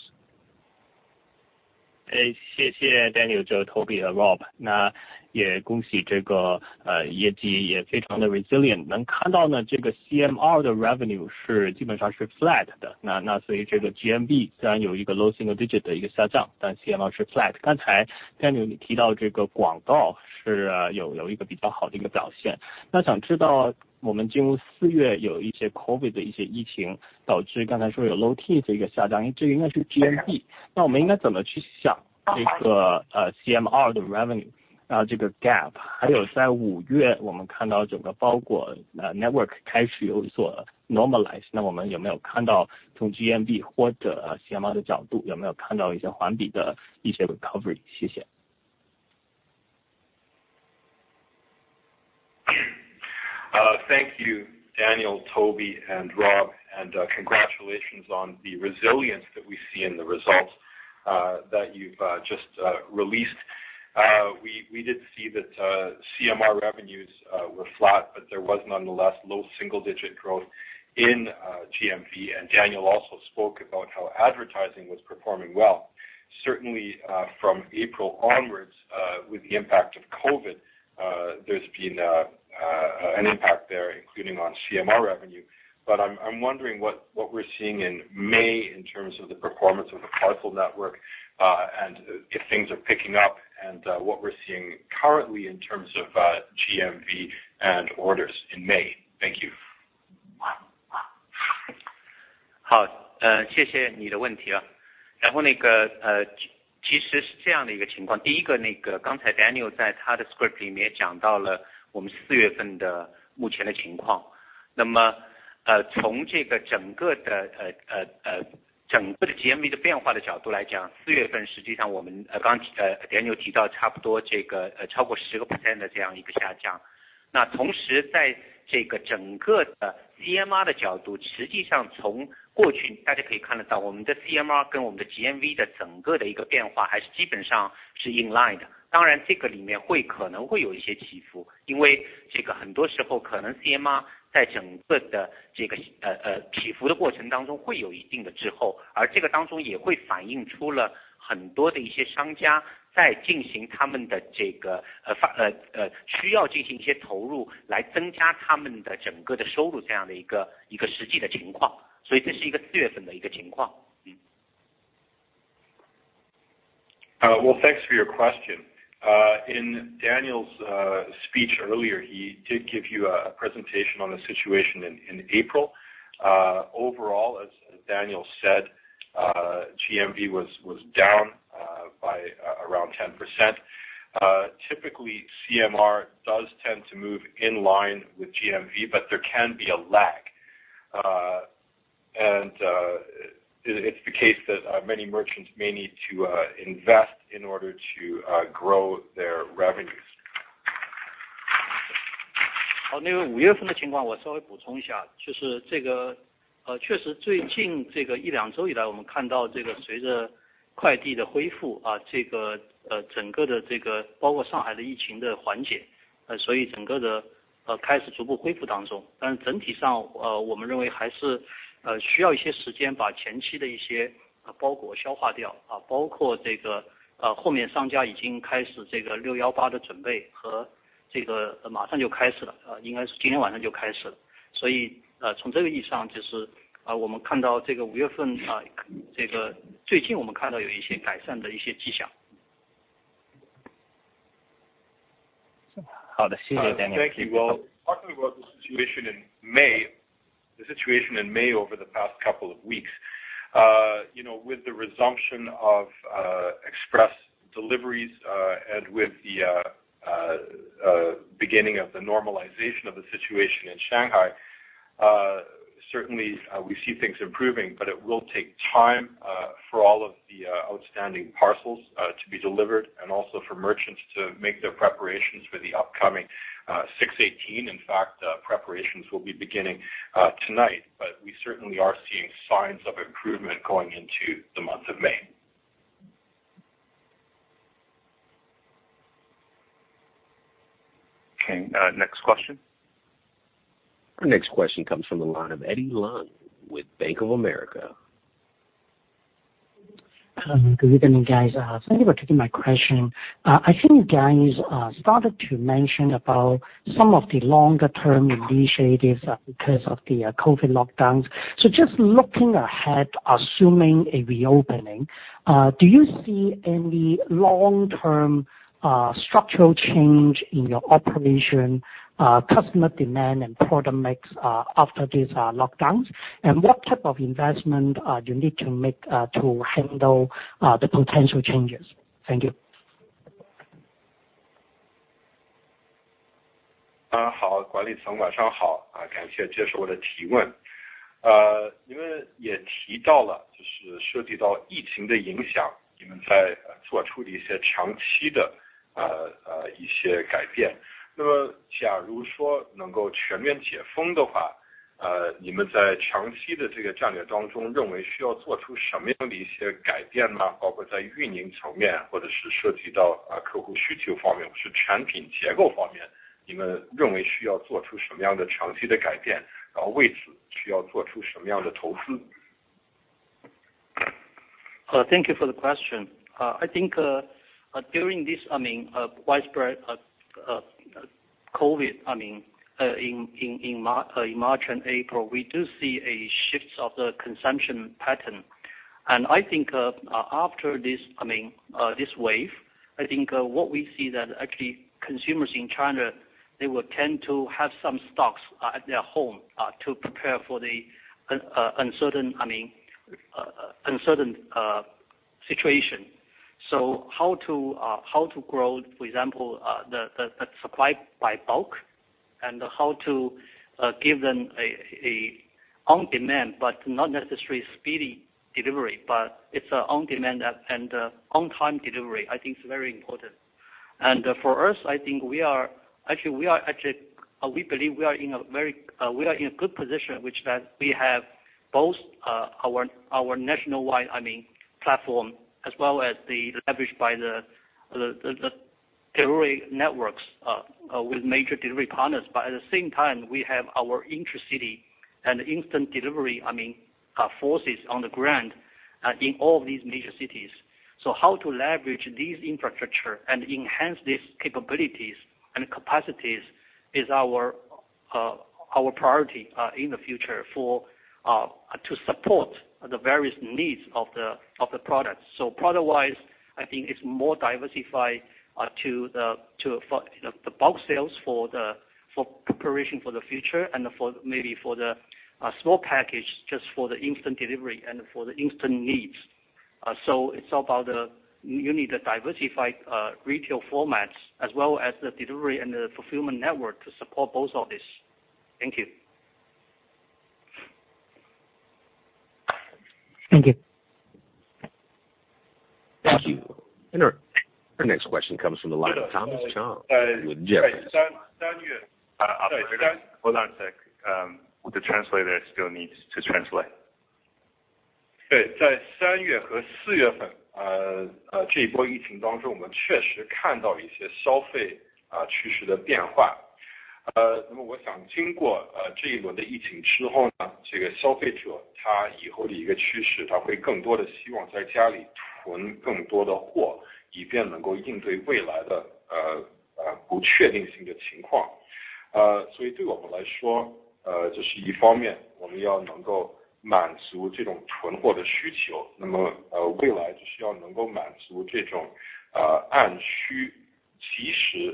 Thank you Daniel, Toby, and Rob, and congratulations on the resilience that we see in the results that you've just released. We did see that CMR revenues were flat, but there was nonetheless low single digit growth in GMV. Daniel also spoke about how advertising was performing well. Certainly, from April onwards, with the impact of COVID, there's been an impact there, including on CMR revenue. I'm wondering what we're seeing in May in terms of the performance of the parcel network, and if things are picking up and what we're seeing currently in terms of GMV and orders in May. Thank you. Well, thanks for your question. In Daniel's speech earlier, he did give you a presentation on the situation in April. Overall, as Daniel said, GMV was down by around 10%. Typically CMR does tend to move in line with GMV, but there can be a lag. It's the case that many merchants may need to invest in order to grow their revenues. Thank you. Well, talking about the situation in May over the past couple of weeks. You know, with the resumption of express deliveries and with the beginning of the normalization of the situation in Shanghai, certainly we see things improving, but it will take time for all of the outstanding parcels to be delivered and also for merchants to make their preparations for the upcoming 618. In fact, preparations will be beginning tonight. We certainly are seeing signs of improvement going into the month of May. Okay, next question. Our next question comes from the line of Eddie Leung with Bank of America. Good evening guys. Thank you for taking my question. I think you guys started to mention about some of the longer term initiatives because of the COVID lockdowns. Just looking ahead, assuming a reopening, do you see any long-term structural change in your operation, customer demand and product mix, after these lockdowns? And what type of investment you need to make, to handle the potential changes? Thank you. Thank you for the question. I think during this, I mean, widespread COVID, I mean, in March and April, we do see a shifts of the consumption pattern. I think after this, I mean, this wave, I think what we see that actually consumers in China, they would tend to have some stocks at their home to prepare for the uncertain, I mean, uncertain situation. How to grow, for example, the supply by bulk How to give them an on-demand, but not necessarily speedy delivery, but it's on-demand and on-time delivery I think is very important. For us, I think actually we believe we are in a good position, that we have both our nationwide, I mean platform as well as the leverage by the delivery networks with major delivery partners. At the same time, we have our intra-city and instant delivery, I mean, forces on the ground in all of these major cities. How to leverage these infrastructure and enhance these capabilities and capacities is our priority in the future to support the various needs of the product. Product wise, I think it's more diversified to the bulk sales, for preparation for the future and for maybe the small package, just for the instant delivery and for the instant needs. It's all about you need a diversified retail formats as well as the delivery and the fulfillment network to support both of these. Thank you. Thank you. Thank you. Our next question comes from the line of Thomas Chong with Jefferies. Hold on a sec. The translator still needs to translate. Operator,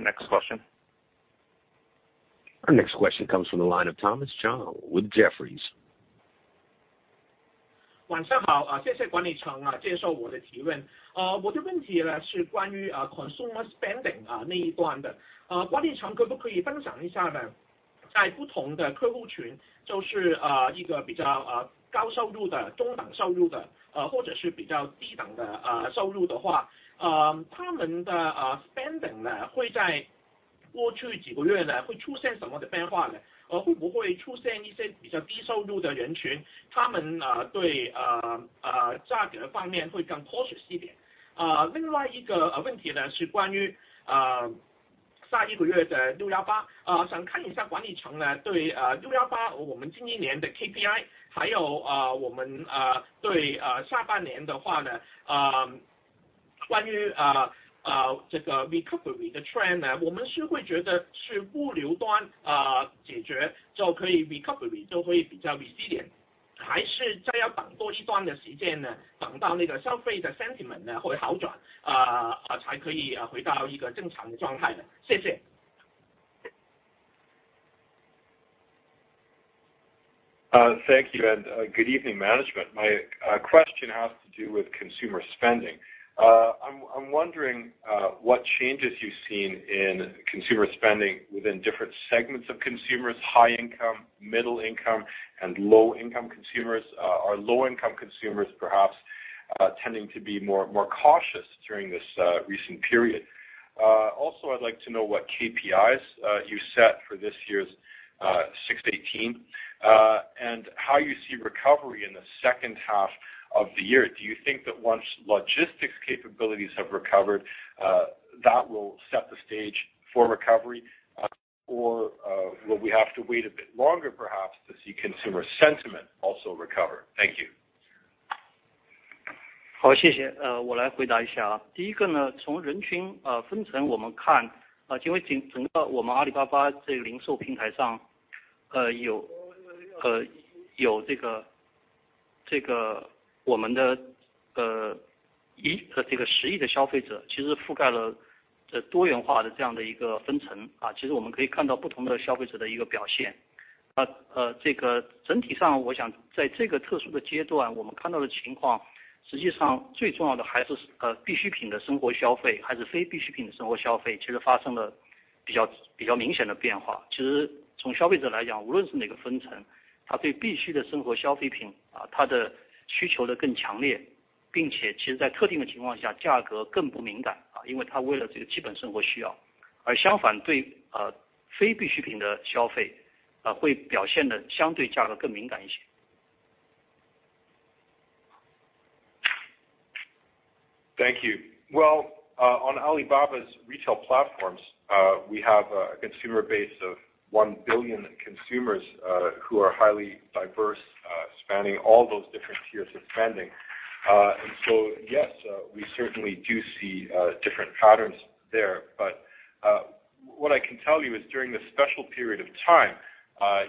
next question. Our next question comes from the line of Thomas Chong with Jefferies. Thank you and good evening, management. My question has to do with consumer spending. I'm wondering what changes you've seen in consumer spending within different segments of consumers, high income, middle income and low income consumers. Are low income consumers perhaps tending to be more cautious during this recent period? Also, I'd like to know what KPIs you set for this year's 618, and how you see recovery in the second half of the year. Do you think that once logistics capabilities have recovered, that will set the stage for recovery? Or will we have to wait a bit longer perhaps to see consumer sentiment also recover? Thank you. Thank you. Well, on Alibaba's retail platforms, we have a consumer base of 1 billion consumers, who are highly diverse, spanning all those different tiers of spending. Yes, we certainly do see different patterns there. What I can tell you is during this special period of time,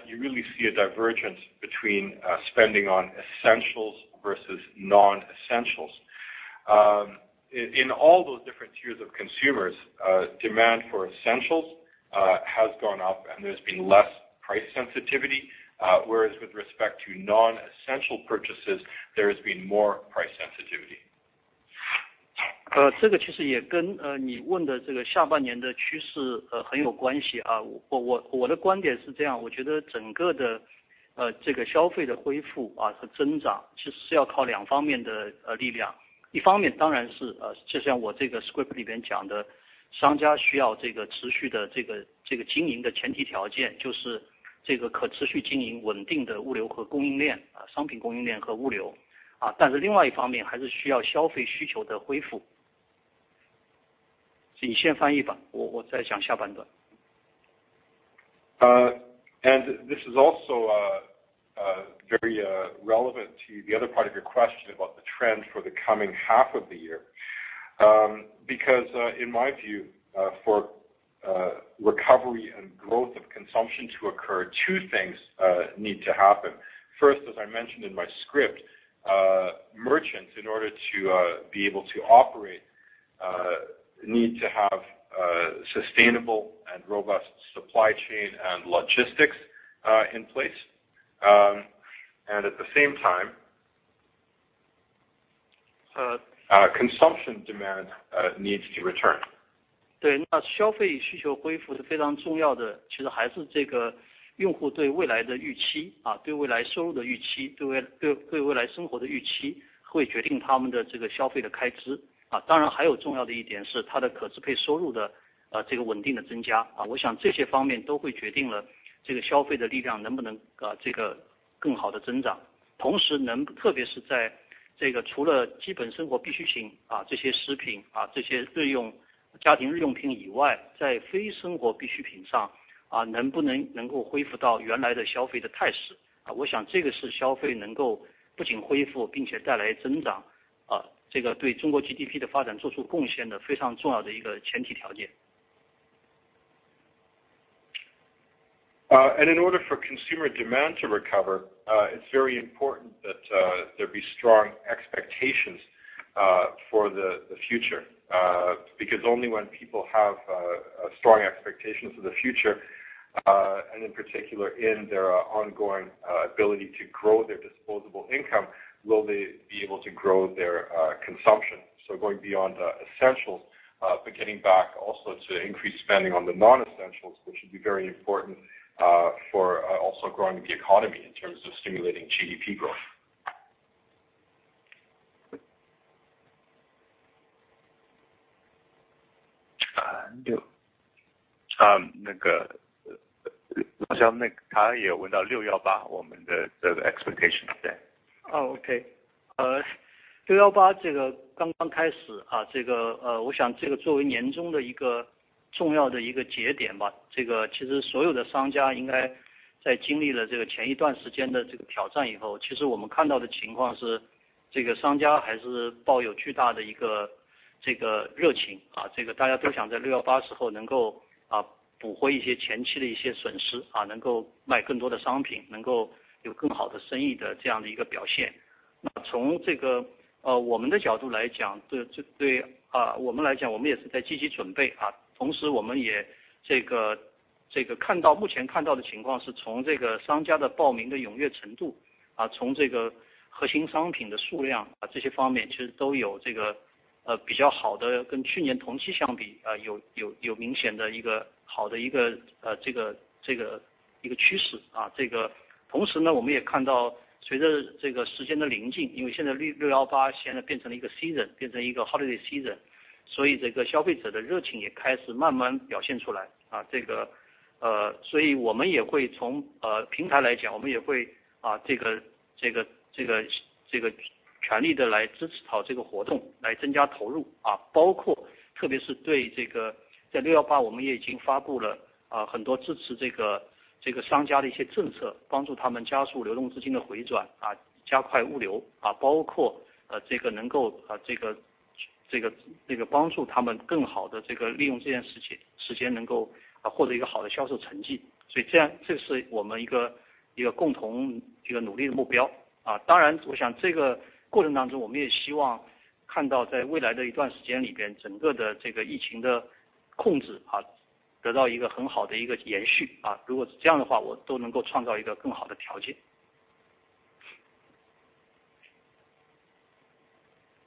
you really see a divergence between spending on essentials versus non-essentials. In all those different tiers of consumers, demand for essentials has gone up and there's been less price sensitivity, whereas with respect to non-essential purchases, there has been more price sensitivity. 这个其实也跟你问的这个下半年的趋势很有关系啊。我的观点是这样，我觉得整个的这个消费的恢复啊，和增长其实是要靠两方面的力量。一方面当然是，就像我这个script里边讲的，商家需要这个持续的这个经营的前提条件，就是这个可持续经营稳定的物流和供应链，啊商品供应链和物流。但是另外一方面还是需要消费需求的恢复。你先翻译吧，我再讲下半段。This is also very relevant to the other part of your question about the trend for the coming half of the year. Because in my view, for recovery and growth of consumption to occur, two things need to happen. First, as I mentioned in my script, merchants, in order to be able to operate, need to have sustainable and robust supply chain and logistics in place. At the same time, consumption demand needs to return. 消费需求恢复是非常重要的，其实还是这个用户对未来的预期，对未来收入的预期，对未来生活的预期，会决定他们的消费开支。当然还有重要的一点是他的可支配收入的稳定的增加。我想这些方面都会决定了这个消费的力量能不能更好地增长。同时，特别是在除了基本生活必需品，这些食品，这些日用家庭日用品以外，在非生活必需品上，能不能够恢复到原来的消费的态势。我想这个是消费能够不仅恢复并且带来增长，对中国GDP的发展做出贡献的非常重要的一个前提条件。In order for consumer demand to recover, it's very important that there be strong expectations for the future. Because only when people have strong expectations for the future, and in particular in their ongoing ability to grow their disposable income, will they be able to grow their consumption. Going beyond the essentials, but getting back also to increased spending on the non-essentials, which would be very important for also growing the economy in terms of stimulating GDP growth. 那个好像他也有问到618我们的这个expectation。season，所以消费者的热情也开始慢慢表现出来。从平台来讲，我们也会全力地来支持好这个活动，来增加投入，包括特别是在618我们也已经发布了很多支持商家的政策，帮助他们加速流动资金的回转，加快物流，包括能够帮助他们更好地利用这段时间能够获得一个好的销售成绩。这是我们一个共同努力的目标。当然我想在这个过程当中我们也希望看到在未来的一段时间里边，整个疫情的控制得到一个很好的延续。如果是这样的话，我们都能够创造一个更好的条件。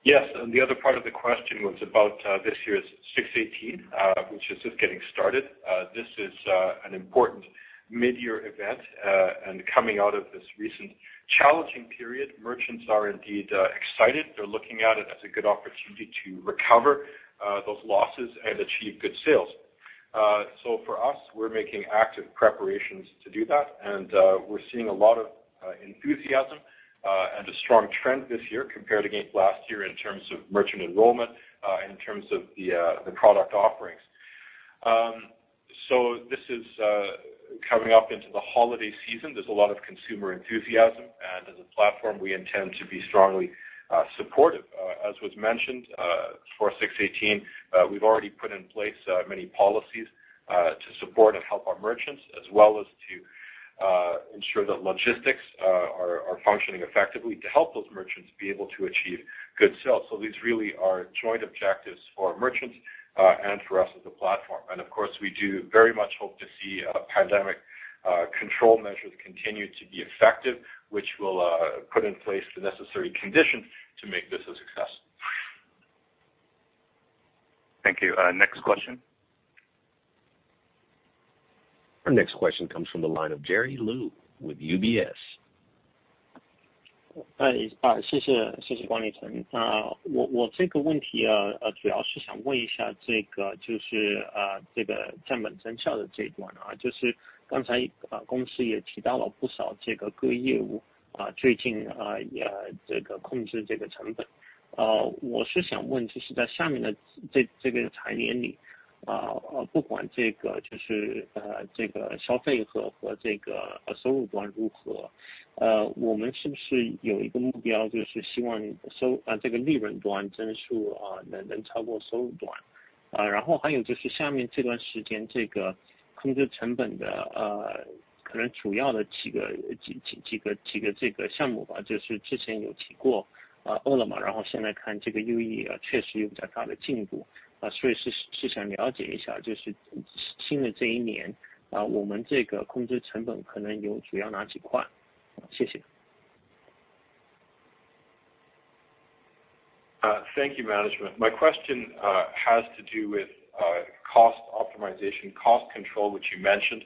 Yes. The other part of the question was about this year's 618, which is just getting started. This is an important midyear event. Coming out of this recent challenging period, merchants are indeed excited. They're looking at it as a good opportunity to recover those losses and achieve good sales. For us, we're making active preparations to do that, and we're seeing a lot of enthusiasm and a strong trend this year compared against last year in terms of merchant enrollment, in terms of the product offerings. This is coming up into the holiday season. There's a lot of consumer enthusiasm and as a platform, we intend to be strongly supportive. As was mentioned, for 618, we've already put in place many policies to support and help our merchants, as well as to ensure that logistics are functioning effectively to help those merchants be able to achieve good sales. These really are joint objectives for our merchants and for us as a platform. Of course, we do very much hope to see pandemic control measures continue to be effective, which will put in place the necessary conditions to make this a success. Thank you. Next question. Our next question comes from the line of Jerry Liu with UBS. Thank you, Management. My question has to do with cost optimization. Cost control, which you mentioned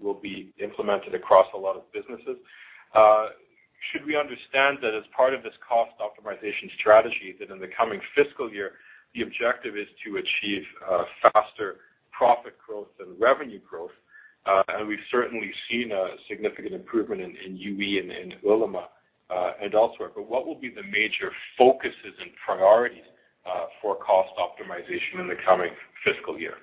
will be implemented across a lot of businesses. Should we understand that as part of this cost optimization strategy that in the coming fiscal year, the objective is to achieve faster profit growth than revenue growth? We've certainly seen a significant improvement in UE and Ele.me and elsewhere, but what will be the major focuses and priorities for cost optimization in the coming fiscal year?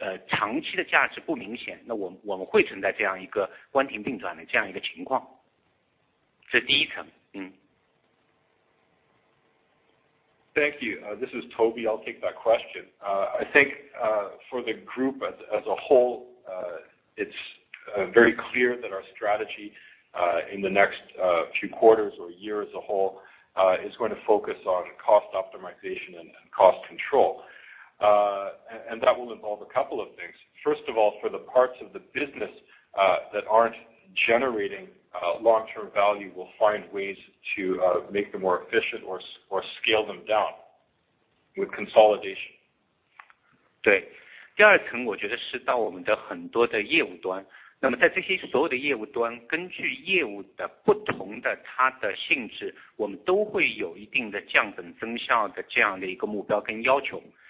Thank you. This is Toby. I'll take that question. I think for the group as a whole, it's very clear that our strategy in the next few quarters or year as a whole is going to focus on cost optimization and cost control, and that will involve a couple of things. First of all, for the parts of the business that aren't generating long term value, we'll find ways to make them more efficient or scale them down with consolidation. 对，第二层我觉得是到我们的很多的业务端，那么在这些所有的业务端，根据业务的不同的它的性质，我们都会有一定的降本增效的这样的一个目标跟要求。那这里面举几个例子，比如说在我们整体的一个业务里面，大家会看得到，我们有比较，现在已经有比较大的这个我们叫做direct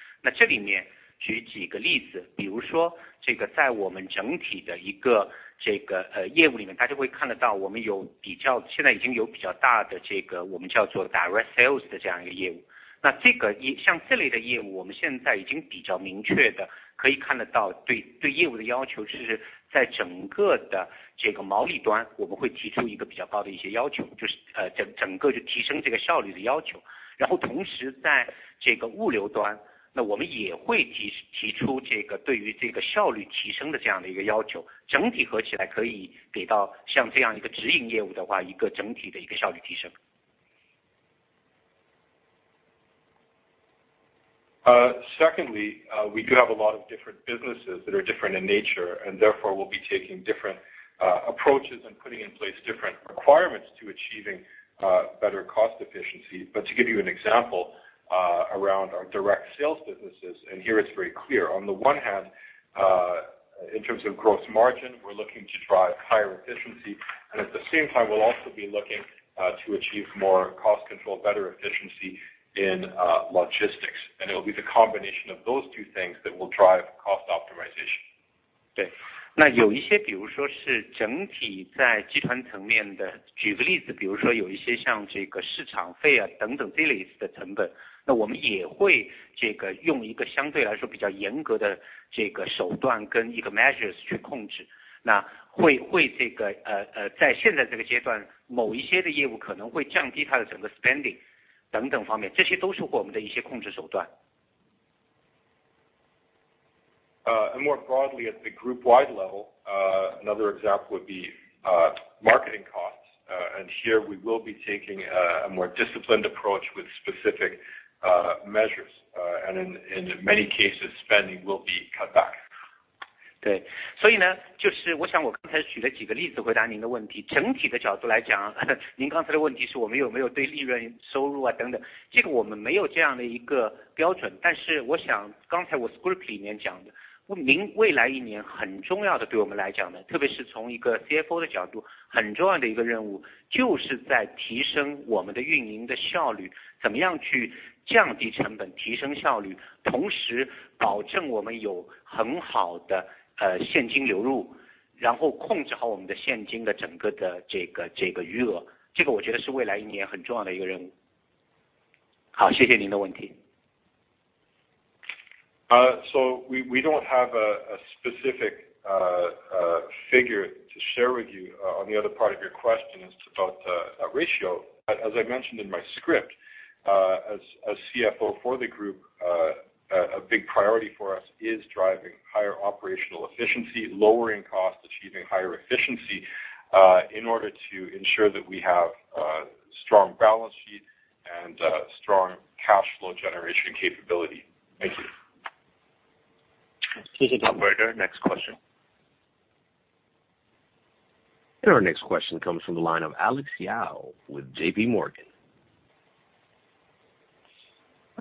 Secondly, we do have a lot of different businesses that are different in nature and therefore we'll be taking different approaches and putting in place different requirements to achieving better cost efficiency. To give you an example around our direct sales businesses and here it's very clear on the one hand, in terms of gross margin, we're looking to drive higher efficiency and at the same time, we'll also be looking to achieve more cost control, better efficiency in logistics, and it will be the combination of those two things that will drive cost optimization. 对，那有一些，比如说是整体在集团层面的。举个例子，比如说有一些像这个市场费啊等等这一类的成本，那我们也会用一个相对来说比较严格的手段跟一个measures去控制，那会在现在这个阶段，某一些的业务可能会降低它的整个spending等等方面，这些都是我们的一些控制手段。More broadly at the group-wide level, another example would be marketing costs. Here we will be taking a more disciplined approach with specific measures. In many cases spending will be cut back. 对，所以呢，就是我想我刚才举了几个例子回答您的问题。整体的角度来讲，您刚才的问题是我们有没有对利润、收入啊等等，这个我们没有这样的一个标准。但是我想刚才我script里面讲的，未来一年很重要的对我们来讲呢，特别是从一个CFO的角度，很重要的一个任务就是在提升我们的运营的效率，怎么样去降低成本，提升效率，同时保证我们有很好的现金流入，然后控制好我们的现金的整个的这个余额。这个我觉得是未来一年很重要的一个任务。好，谢谢您的问题。We don't have a specific figure to share with you on the other part of your question about the ratio. As I mentioned in my script, as CFO for the group, a big priority for us is driving higher operational efficiency, lowering costs, achieving higher efficiency, in order to ensure that we have a strong balance sheet and a strong cash flow generation capability. Thank you. 谢谢。Operator next question. Our next question comes from the line of Alex Yao with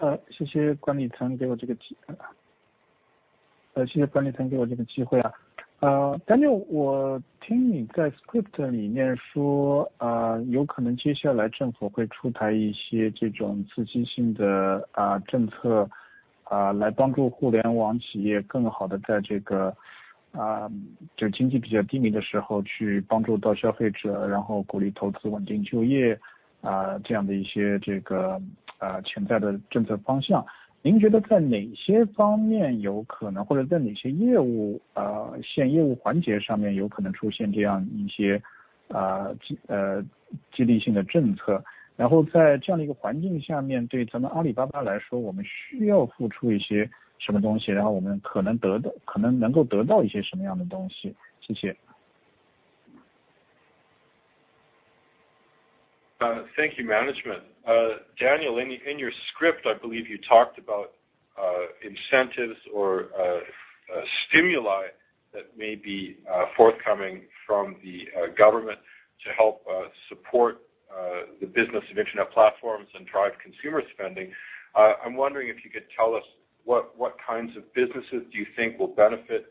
JPMorgan. 谢谢管理层给我这个机会。谢谢管理层给我这个机会。Daniel，我听你在script里面说，有可能接下来政府会出台一些这种刺激性的政策，来帮助互联网企业更好地在这个经济比较低迷的时候去帮助到消费者，然后鼓励投资，稳定就业，这样的一些潜在的政策方向。您觉得在哪些方面有可能，或者在哪些业务线、业务环节上面有可能出现这样一些激励性的政策？然后在这样的一个环境下面，对咱们阿里巴巴来说，我们需要付出一些什么东西，然后我们可能能够得到一些什么样的东西？谢谢。Thank you management. Daniel, in your script I believe you talked about incentives or stimuli that may be forthcoming from the government to help support the business of Internet platforms and drive consumer spending. I'm wondering if you could tell us what kinds of businesses do you think will benefit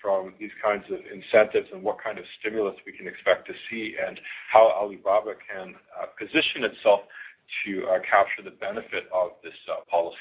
from these kinds of incentives and what kind of stimulus we can expect to see and how Alibaba can position itself to capture the benefit of this policy.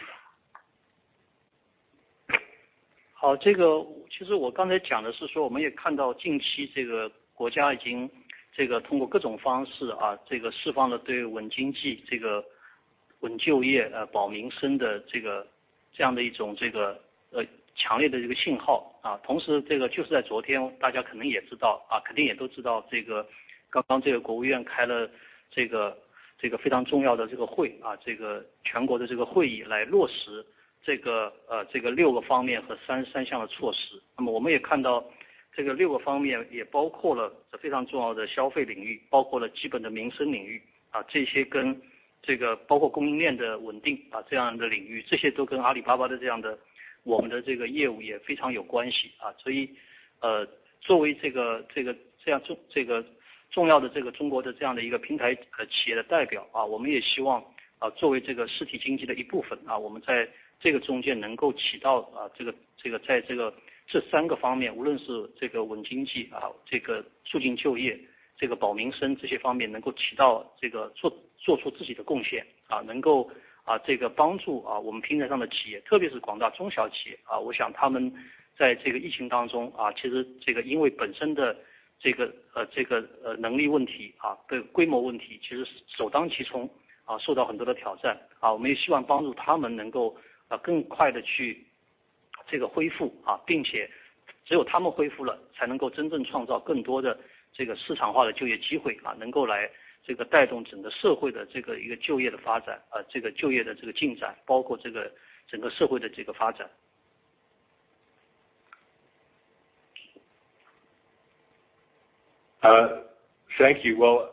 Thank you. Well,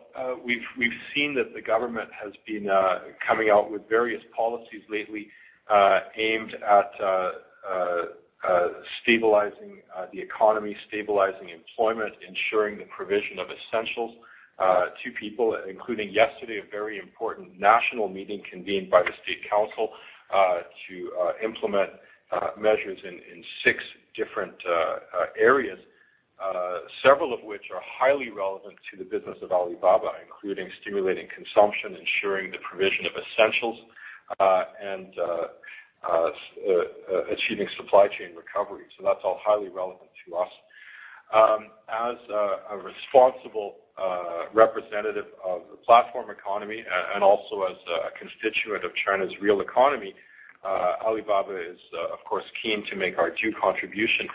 we've seen that the government has been coming out with various policies lately aimed at stabilizing the economy, stabilizing employment, ensuring the provision of essentials to people including yesterday a very important national meeting convened by the State Council to implement measures in six different areas, several of which are highly relevant to the business of Alibaba, including stimulating consumption, ensuring the provision of essentials, and achieving supply chain recovery. That's all highly relevant to us. As a responsible representative of the platform economy and also as a constituent of China's real economy, Alibaba is of course keen to make our due contribution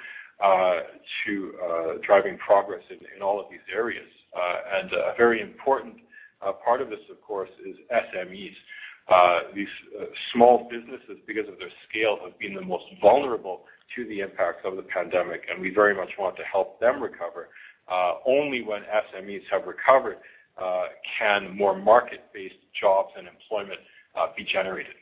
to driving progress in all of these areas. A very important part of this of course is SMEs. These small businesses, because of their scale, have been the most vulnerable to the impacts of the pandemic, and we very much want to help them recover. Only when SMEs have recovered, can more market-based jobs and employment be generated.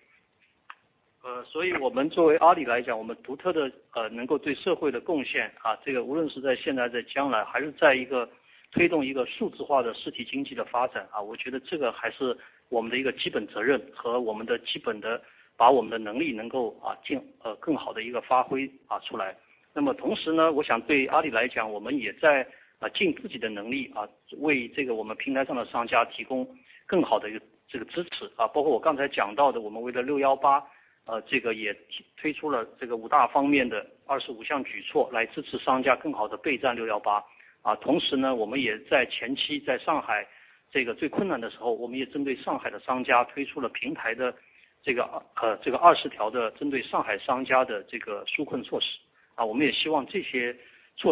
For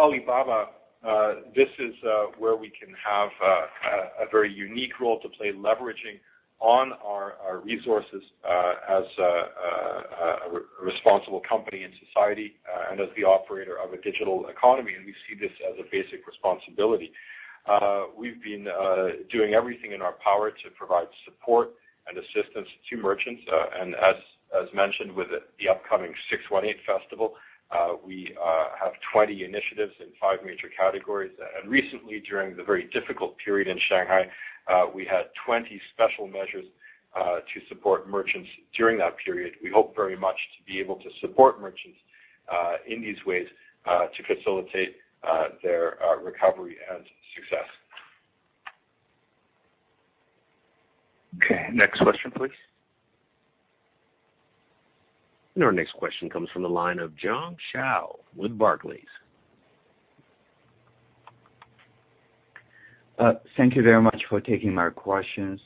Alibaba, this is where we can have a very unique role to play leveraging on our resources as a responsible company in society and as the operator of a digital economy. We see this as a basic responsibility. We've been doing everything in our power to provide support and assistance to merchants. As mentioned with the upcoming 618 Festival, we have 20 initiatives in five major categories. Recently during the very difficult period in Shanghai, we had 20 special measures to support merchants during that period. We hope very much to be able to support merchants in these ways to facilitate their recovery and success. Okay, next question, please. Our next question comes from the line of Jiong Shao with Barclays. Thank you very much for taking my questions.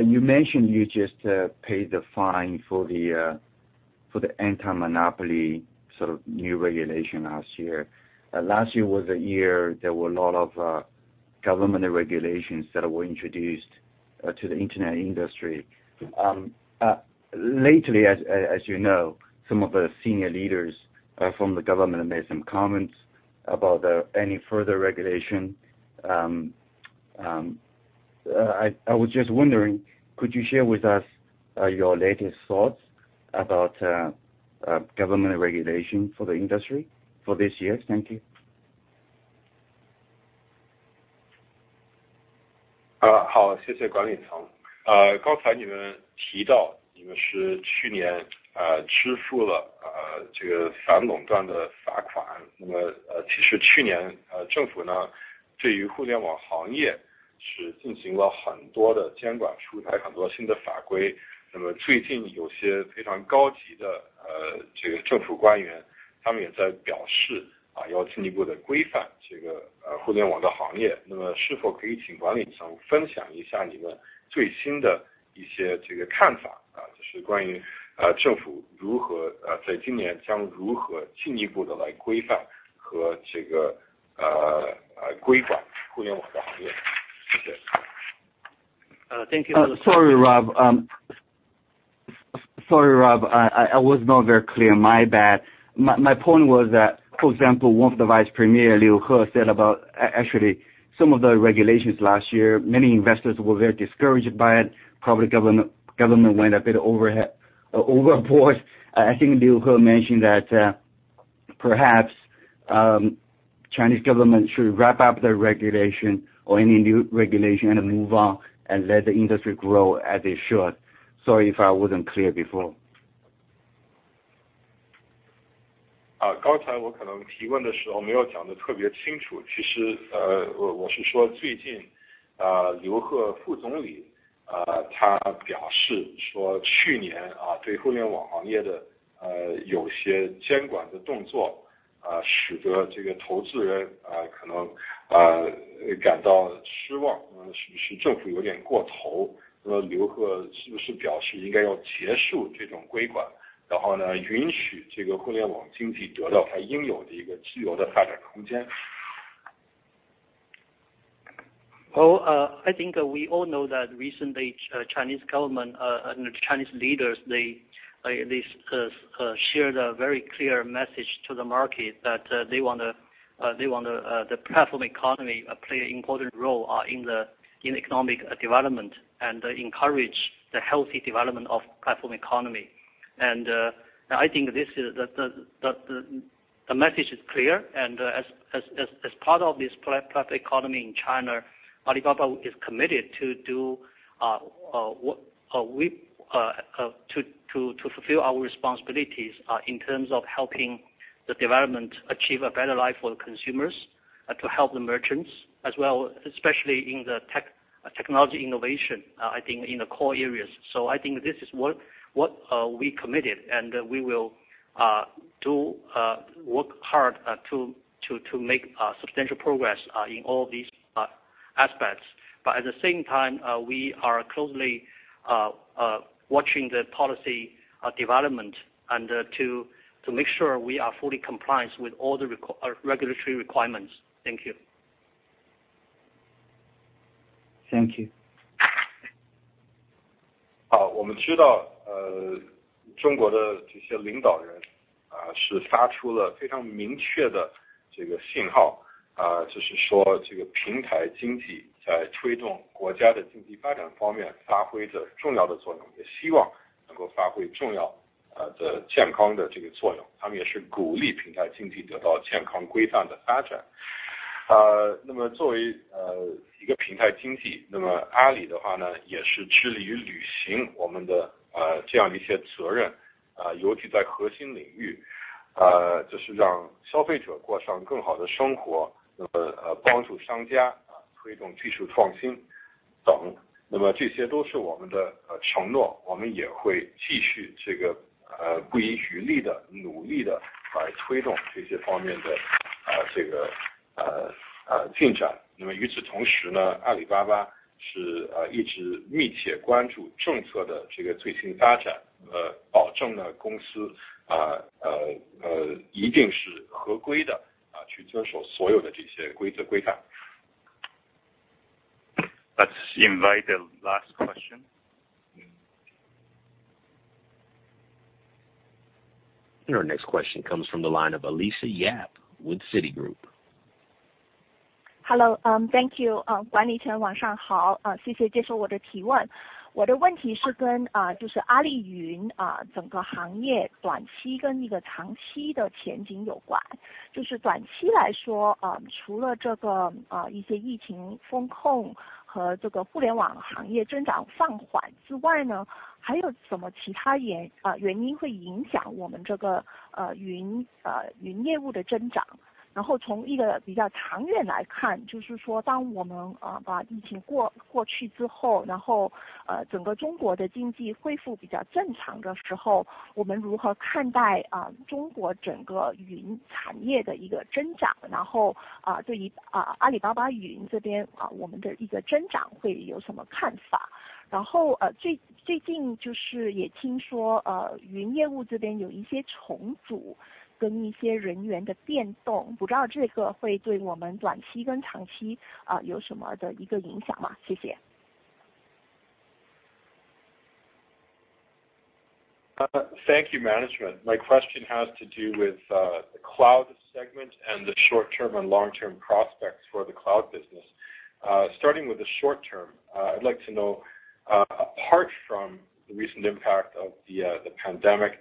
You mentioned you just paid the fine for the anti-monopoly sort of new regulation last year. Last year was a year there were a lot of government regulations that were introduced to the internet industry. Lately, as you know, some of the senior leaders from the government have made some comments about any further regulation. I was just wondering, could you share with us your latest thoughts about government regulation for the industry for this year? Thank you. Thank you. Sorry, Rob. Sorry, Rob. I was not very clear. My bad. My point was that, for example, one of the Vice Premier Liu He said about actually some of the regulations last year, many investors were very discouraged by it. Probably government went a bit overboard. I think Liu He mentioned that, perhaps, Chinese government should wrap up their regulation or any new regulation and move on and let the industry grow as it should. Sorry if I wasn't clear before. Well, I think we all know that recently, Chinese government and Chinese leaders, they shared a very clear message to the market that they want the platform economy play an important role in economic development and encourage the healthy development of platform economy. I think this is the message is clear. As part of this platform economy in China, Alibaba is committed to fulfill our responsibilities in terms of helping the development achieve a better life for the consumers, to help the merchants as well, especially in the technology innovation, I think in the core areas. I think this is what we committed, and we will work hard to make substantial progress in all these aspects. At the same time, we are closely watching the policy development and to make sure we are fully compliant with all the regulatory requirements. Thank you. Thank you. Let's invite the last question. Your next question comes from the line of Alicia Yap with Citigroup. Thank you management. My question has to do with the cloud segment and the short-term and long-term prospects for the cloud business. Starting with the short term, I'd like to know, apart from the recent impact of the pandemic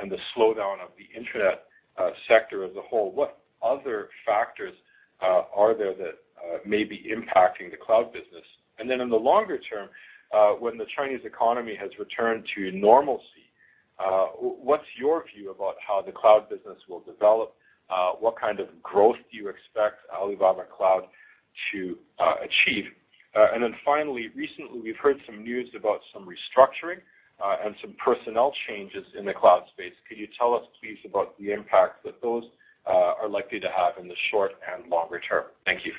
and the slowdown of the internet sector as a whole, what other factors are there that may be impacting the cloud business? Then in the longer term, when the Chinese economy has returned to normalcy, what's your view about how the cloud business will develop? What kind of growth do you expect Alibaba Cloud to achieve? Then finally recently we've heard some news about some restructuring and some personnel changes in the cloud space. Could you tell us please about the impact that those are likely to have in the short- and longer term? Thank you.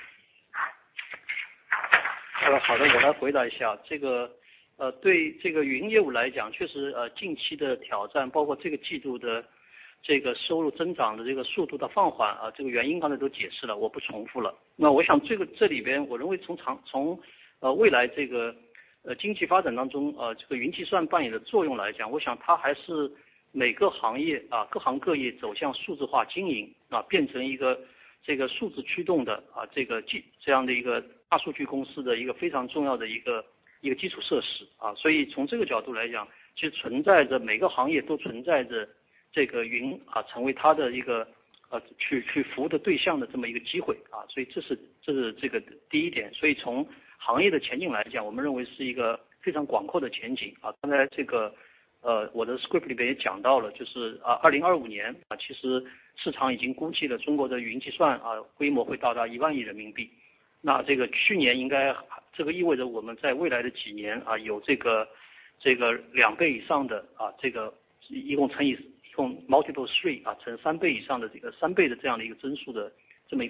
Thank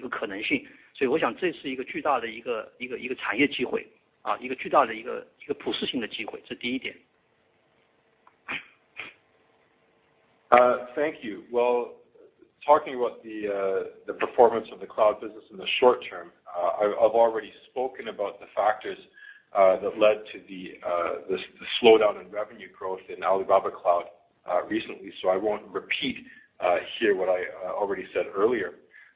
you. Well, talking about the performance of the cloud business in the short term. I've already spoken about the factors that led to the slowdown in revenue growth in Alibaba Cloud recently, so I won't repeat here what I already said earlier.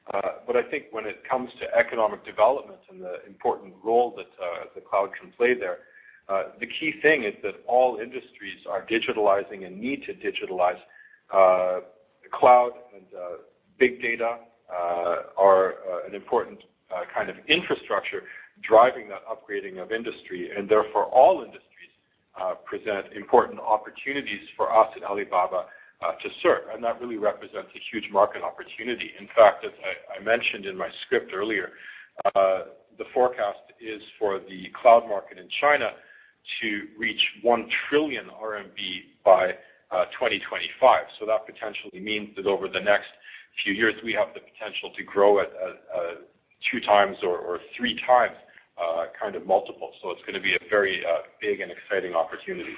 I think when it comes to economic development and the important role that the cloud can play there, the key thing is that all industries are digitalizing and need to digitalize. The cloud and big data are an important kind of infrastructure driving that upgrading of industry, and therefore all industries present important opportunities for us at Alibaba to serve. That really represents a huge market opportunity. In fact, as I mentioned in my script earlier, the forecast is for the cloud market in China to reach 1 trillion RMB by 2025. That potentially means that over the next few years, we have the potential to grow at a 2x or 3x kind of multiple. It's gonna be a very big and exciting opportunity.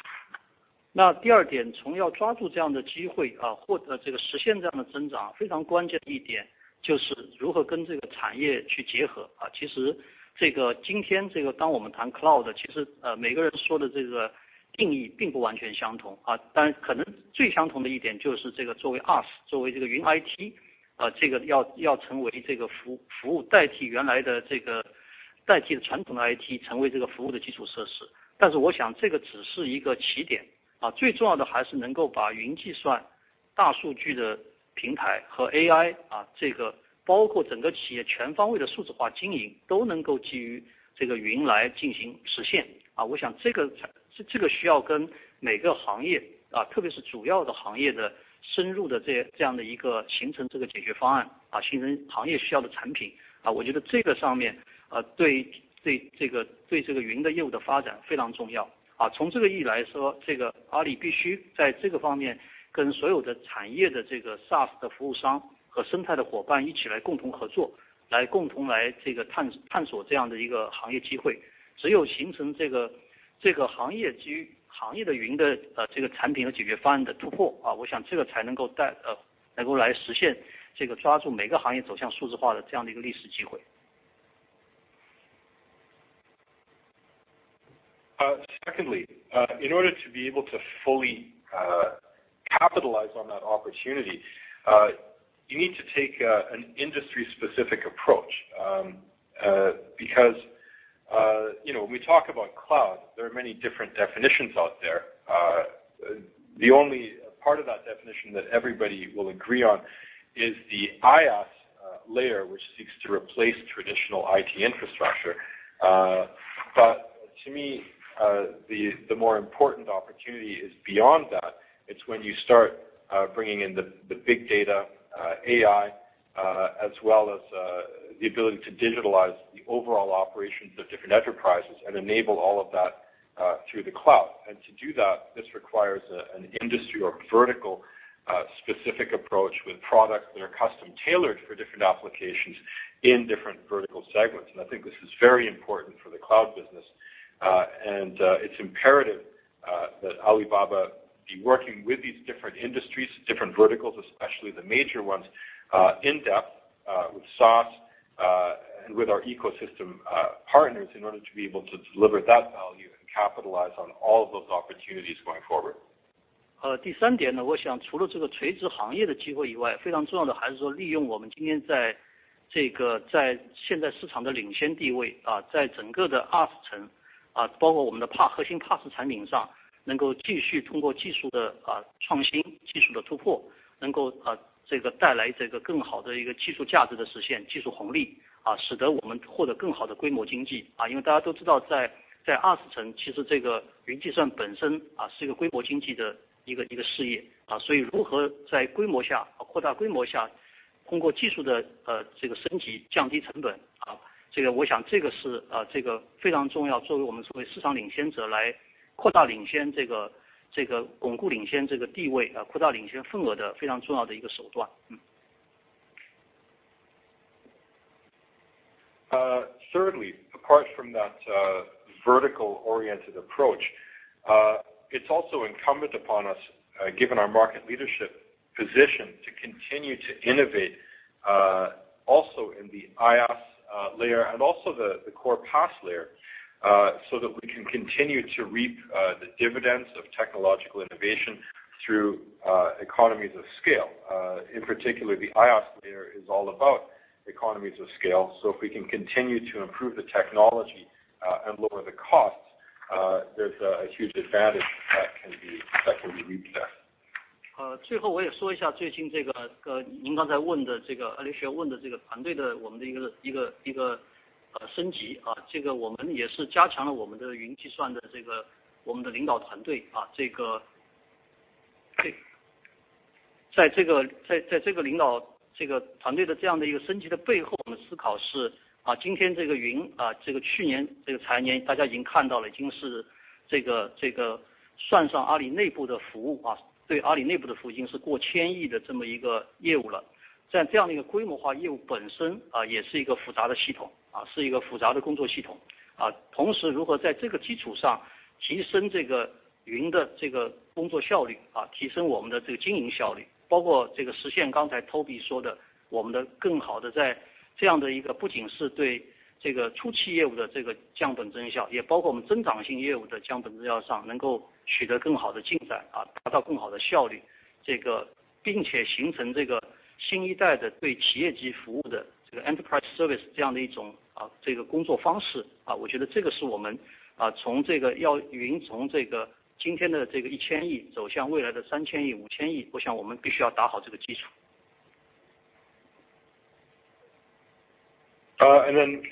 Secondly, in order to be able to fully capitalize on that opportunity, you need to take an industry-specific approach. Because, you know, when we talk about cloud, there are many different definitions out there. The only part of that definition that everybody will agree on is the IaaS layer, which seeks to replace traditional IT infrastructure. But to me, the more important opportunity is beyond that. It's when you start bringing in the big data, AI, as well as the ability to digitalize the overall operations of different enterprises and enable all of that through the cloud. To do that, this requires an industry or vertical-specific approach with products that are custom-tailored for different applications in different vertical segments. I think this is very important for the cloud business. It's imperative that Alibaba be working with these different industries, different verticals, especially the major ones, in-depth with SaaS and with our ecosystem partners in order to be able to deliver that value and capitalize on all of those opportunities going forward. Thirdly, apart from that vertical-oriented approach, it's also incumbent upon us, given our market leadership position, to continue to innovate also in the IaaS layer and also the core PaaS layer so that we can continue to reap the dividends of technological innovation through economies of scale. In particular, the IaaS layer is all about economies of scale. If we can continue to improve the technology and lower the costs, there's a huge advantage that can be reaped there.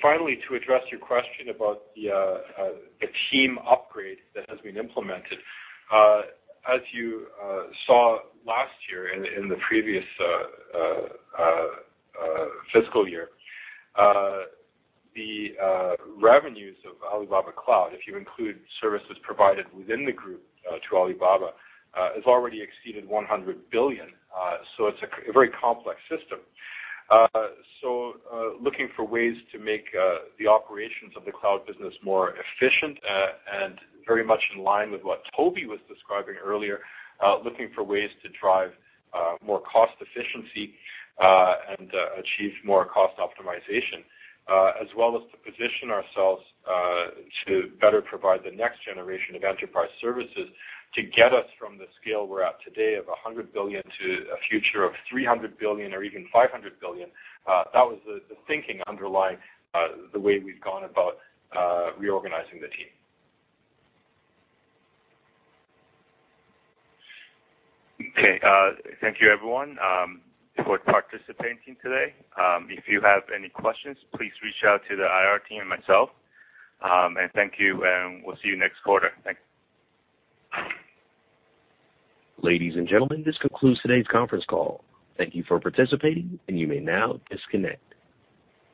Finally, to address your question about the team upgrade that has been implemented. As you saw last year in the previous fiscal year, the revenues of Alibaba Cloud, if you include services provided within the group to Alibaba, has already exceeded 100 billion. It's a very complex system. Looking for ways to make the operations of the cloud business more efficient and very much in line with what Toby was describing earlier, looking for ways to drive more cost efficiency and achieve more cost optimization, as well as to position ourselves to better provide the next generation of enterprise services to get us from the scale we're at today of 100 billion to a future of 300 billion or even 500 billion. That was the thinking underlying the way we've gone about reorganizing the team. Okay. Thank you everyone for participating today. If you have any questions, please reach out to the IR team and myself. Thank you, and we'll see you next quarter. Thanks. Ladies and gentlemen, this concludes today's conference call. Thank you for participating, and you may now disconnect.